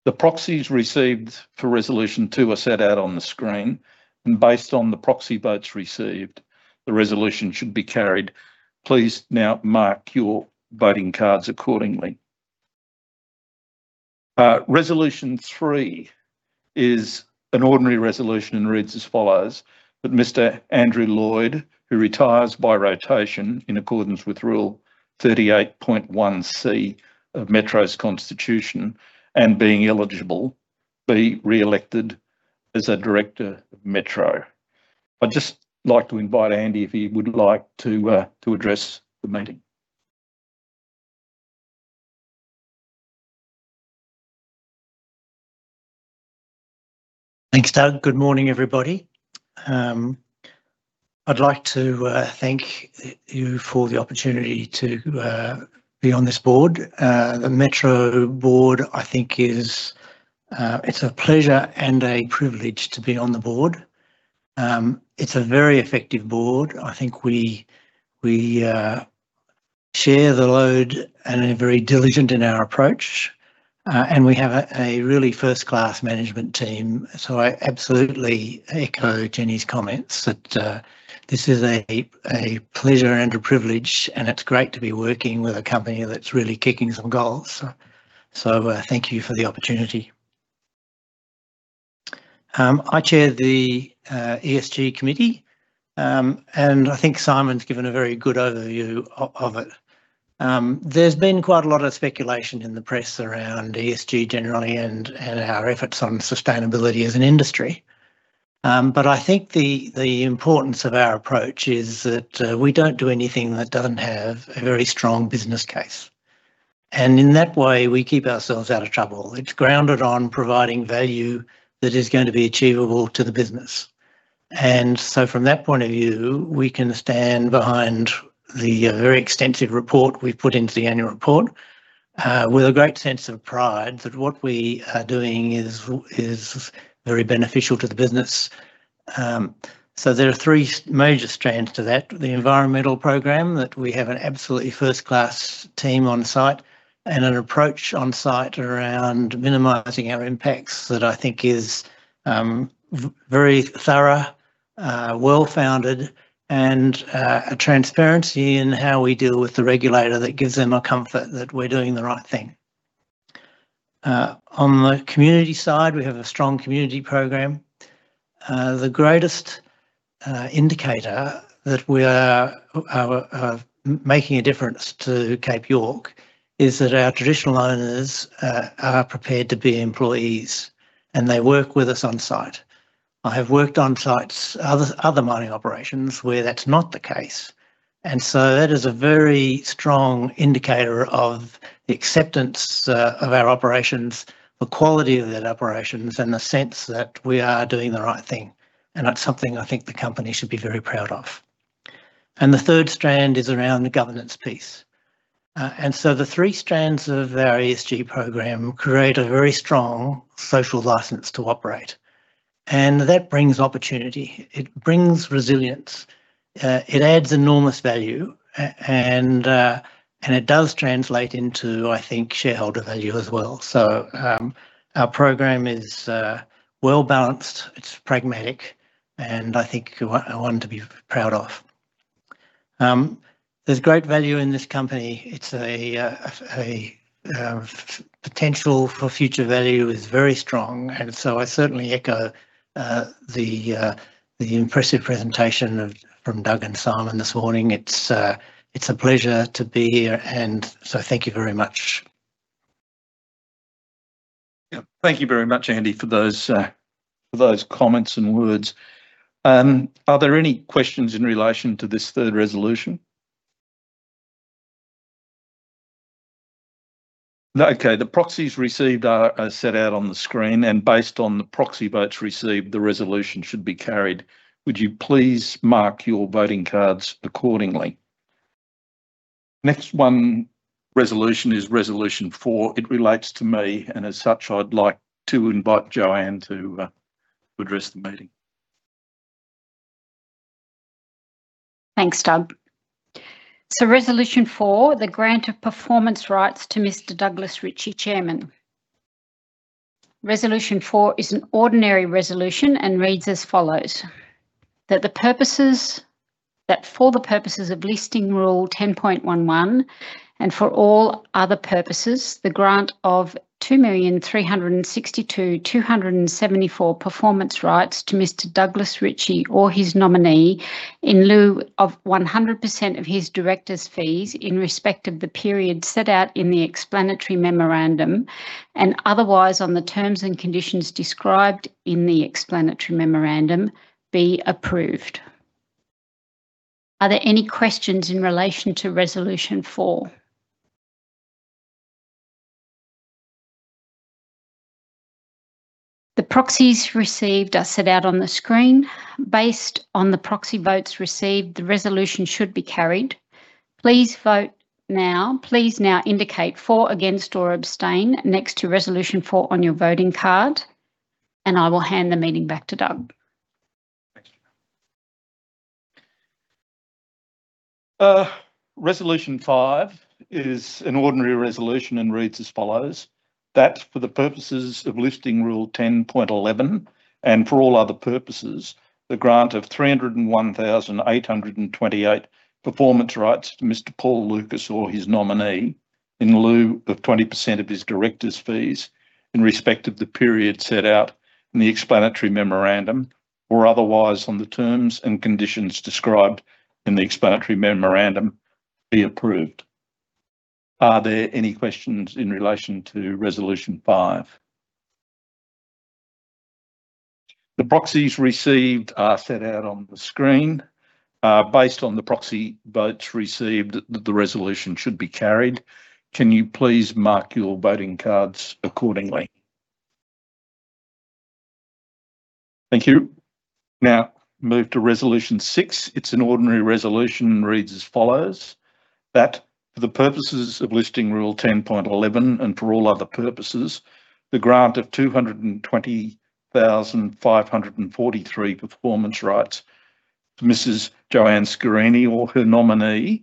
The proxies received for resolution two are set out on the screen, and based on the proxy votes received, the resolution should be carried. Please now mark your voting cards accordingly. Resolution three is an ordinary resolution and reads as follows. "That Mr. Andrew Lloyd, who retires by rotation in accordance with rule 38.1C of Metro's constitution, and being eligible, be re-elected as a director of Metro." I'd just like to invite Andy if he would like to address the meeting. Thanks, Doug. Good morning, everybody. I'd like to thank you for the opportunity to be on this board. The Metro board, I think it's a pleasure and a privilege to be on the board. It's a very effective board. I think we share the load and are very diligent in our approach. We have a really first-class management team, so I absolutely echo Jenny's comments that this is a pleasure and a privilege, and it's great to be working with a company that's really kicking some goals. Thank you for the opportunity. I chair the ESG committee, and I think Simon's given a very good overview of it. There's been quite a lot of speculation in the press around ESG generally and our efforts on sustainability as an industry. I think the importance of our approach is that we don't do anything that doesn't have a very strong business case. In that way, we keep ourselves out of trouble. It's grounded on providing value that is going to be achievable to the business. From that point of view, we can stand behind the very extensive report we've put into the annual report with a great sense of pride that what we are doing is very beneficial to the business. There are three major strands to that. The environmental program, that we have an absolutely first-class team on site and an approach on site around minimizing our impacts that I think is very thorough, well-founded, and a transparency in how we deal with the regulator that gives them a comfort that we're doing the right thing. On the community side, we have a strong community program. The greatest indicator that we are making a difference to Cape York is that our traditional owners are prepared to be employees, and they work with us on site. I have worked on sites, other mining operations where that's not the case, and so that is a very strong indicator of the acceptance of our operations, the quality of the operations, and the sense that we are doing the right thing, and that's something I think the company should be very proud of. The third strand is around the governance piece. The three strands of our ESG program create a very strong social license to operate, and that brings opportunity, it brings resilience, it adds enormous value, and it does translate into, I think, shareholder value as well. Our program is well-balanced, it's pragmatic, and I think one to be proud of. There's great value in this company. Its potential for future value is very strong, and so I certainly echo the impressive presentation from Doug and Simon this morning. It's a pleasure to be here, and so thank you very much. Yeah. Thank you very much, Andy, for those comments and words. Are there any questions in relation to this third resolution? No. Okay. The proxies received are as set out on the screen, and based on the proxy votes received, the resolution should be carried. Would you please mark your voting cards accordingly? The next resolution is resolution four. It relates to me, and as such, I'd like to invite Jo-Anne to address the meeting. Thanks, Doug. Resolution four, the grant of performance rights to Mr. Douglas Ritchie, Chairman. Resolution four is an ordinary resolution and reads as follows: That for the purposes of Listing Rule 10.11 and for all other purposes, the grant of 2,362,274 performance rights to Mr. Douglas Ritchie or his nominee in lieu of 100% of his director's fees in respect of the period set out in the explanatory memorandum, and otherwise on the terms and conditions described in the explanatory memorandum, be approved. Are there any questions in relation to resolution four? The proxies received are set out on the screen. Based on the proxy votes received, the resolution should be carried. Please vote now. Please now indicate for, against, or abstain next to resolution four on your voting card, and I will hand the meeting back to Doug. Thank you. Resolution five is an ordinary resolution and reads as follows: That for the purposes of Listing Rule 10.11 and for all other purposes, the grant of 301,828 performance rights to Mr. Paul Lucas or his nominee in lieu of 20% of his director's fees in respect of the period set out in the explanatory memorandum or otherwise on the terms and conditions described in the explanatory memorandum, be approved. Are there any questions in relation to resolution five? The proxies received are set out on the screen. Based on the proxy votes received, the resolution should be carried. Can you please mark your voting cards accordingly? Thank you. Now move to resolution six. It's an ordinary resolution and reads as follows: That for the purposes of Listing Rule 10.11 and for all other purposes, the grant of 220,543 performance rights to Mrs. Jo-Anne Scarini or her nominee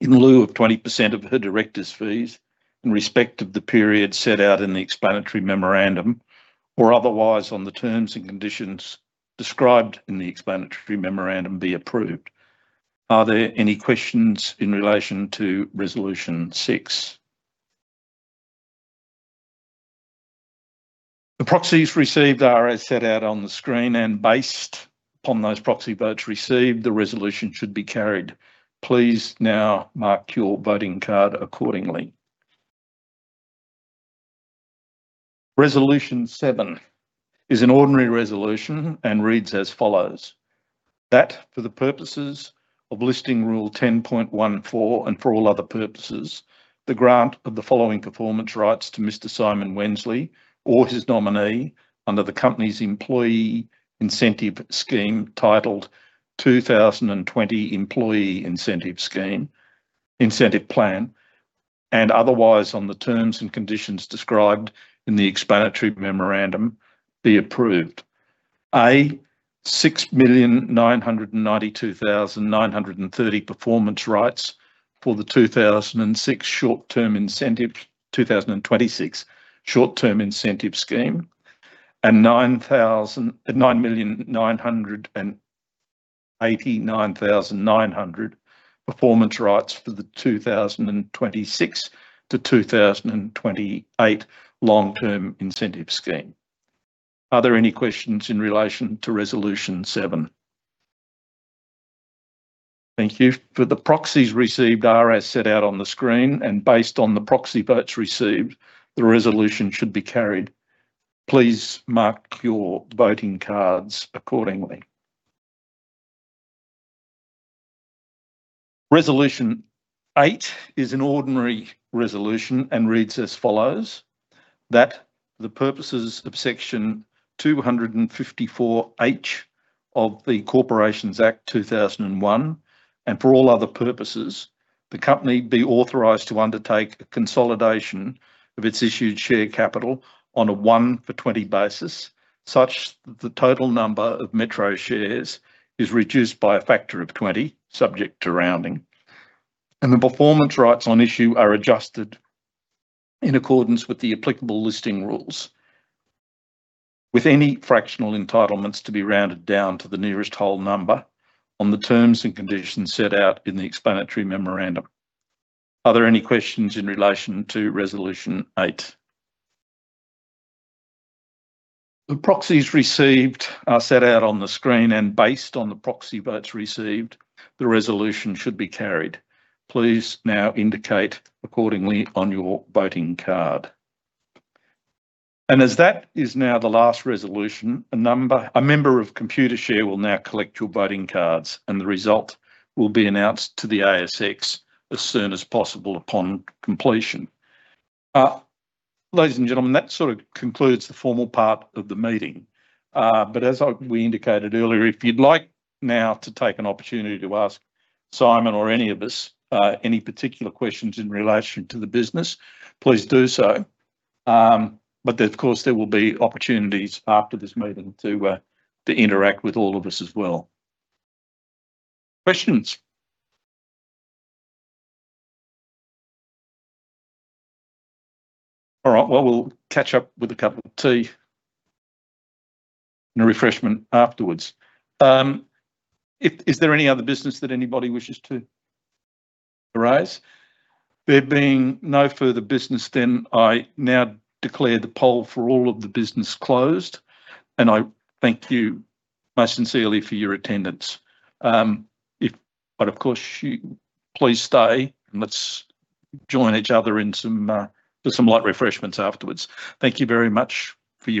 in lieu of 20% of her director's fees in respect of the period set out in the explanatory memorandum or otherwise on the terms and conditions described in the explanatory memorandum, be approved. Are there any questions in relation to resolution six? The proxies received are as set out on the screen, and based upon those proxy votes received, the resolution should be carried. Please now mark your voting card accordingly. Resolution seven is an ordinary resolution and reads as follows. That for the purposes of listing rule 10.14 and for all other purposes, the grant of the following performance rights to Mr. Simon Wensley or his nominee under the company's employee incentive scheme titled "2020 Employee Incentive Scheme" incentive plan, and otherwise on the terms and conditions described in the explanatory memorandum, be approved. A, 6,992,930 performance rights for the 2026 short-term incentive, 2026 short-term incentive scheme, and 9,989,900 performance rights for the 2026 to 2028 long-term incentive scheme. Are there any questions in relation to resolution seven? Thank you. The proxies received are as set out on the screen, and based on the proxy votes received, the resolution should be carried. Please mark your voting cards accordingly. Resolution eight is an ordinary resolution and reads as follows. That for the purposes of Section 254H of the Corporations Act 2001, and for all other purposes, the company be authorized to undertake a consolidation of its issued share capital on a one for 20 basis, such that the total number of Metro shares is reduced by a factor of 20, subject to rounding, and the performance rights on issue are adjusted in accordance with the applicable listing rules, with any fractional entitlements to be rounded down to the nearest whole number on the terms and conditions set out in the explanatory memorandum. Are there any questions in relation to resolution eight? The proxies received are set out on the screen, and based on the proxy votes received, the resolution should be carried. Please now indicate accordingly on your voting card. As that is now the last resolution, a member of Computershare will now collect your voting cards, and the result will be announced to the ASX as soon as possible upon completion. Ladies and gentlemen, that sort of concludes the formal part of the meeting. As we indicated earlier, if you'd like now to take an opportunity to ask Simon or any of us any particular questions in relation to the business, please do so. Of course, there will be opportunities after this meeting to interact with all of us as well. Questions? All right. Well, we'll catch up with a cup of tea and a refreshment afterwards. Is there any other business that anybody wishes to raise? There being no further business then, I now declare the poll for all of the business closed, and I thank you most sincerely for your attendance. Of course, please stay, and let's join each other in some light refreshments afterwards. Thank you very much for your attendance.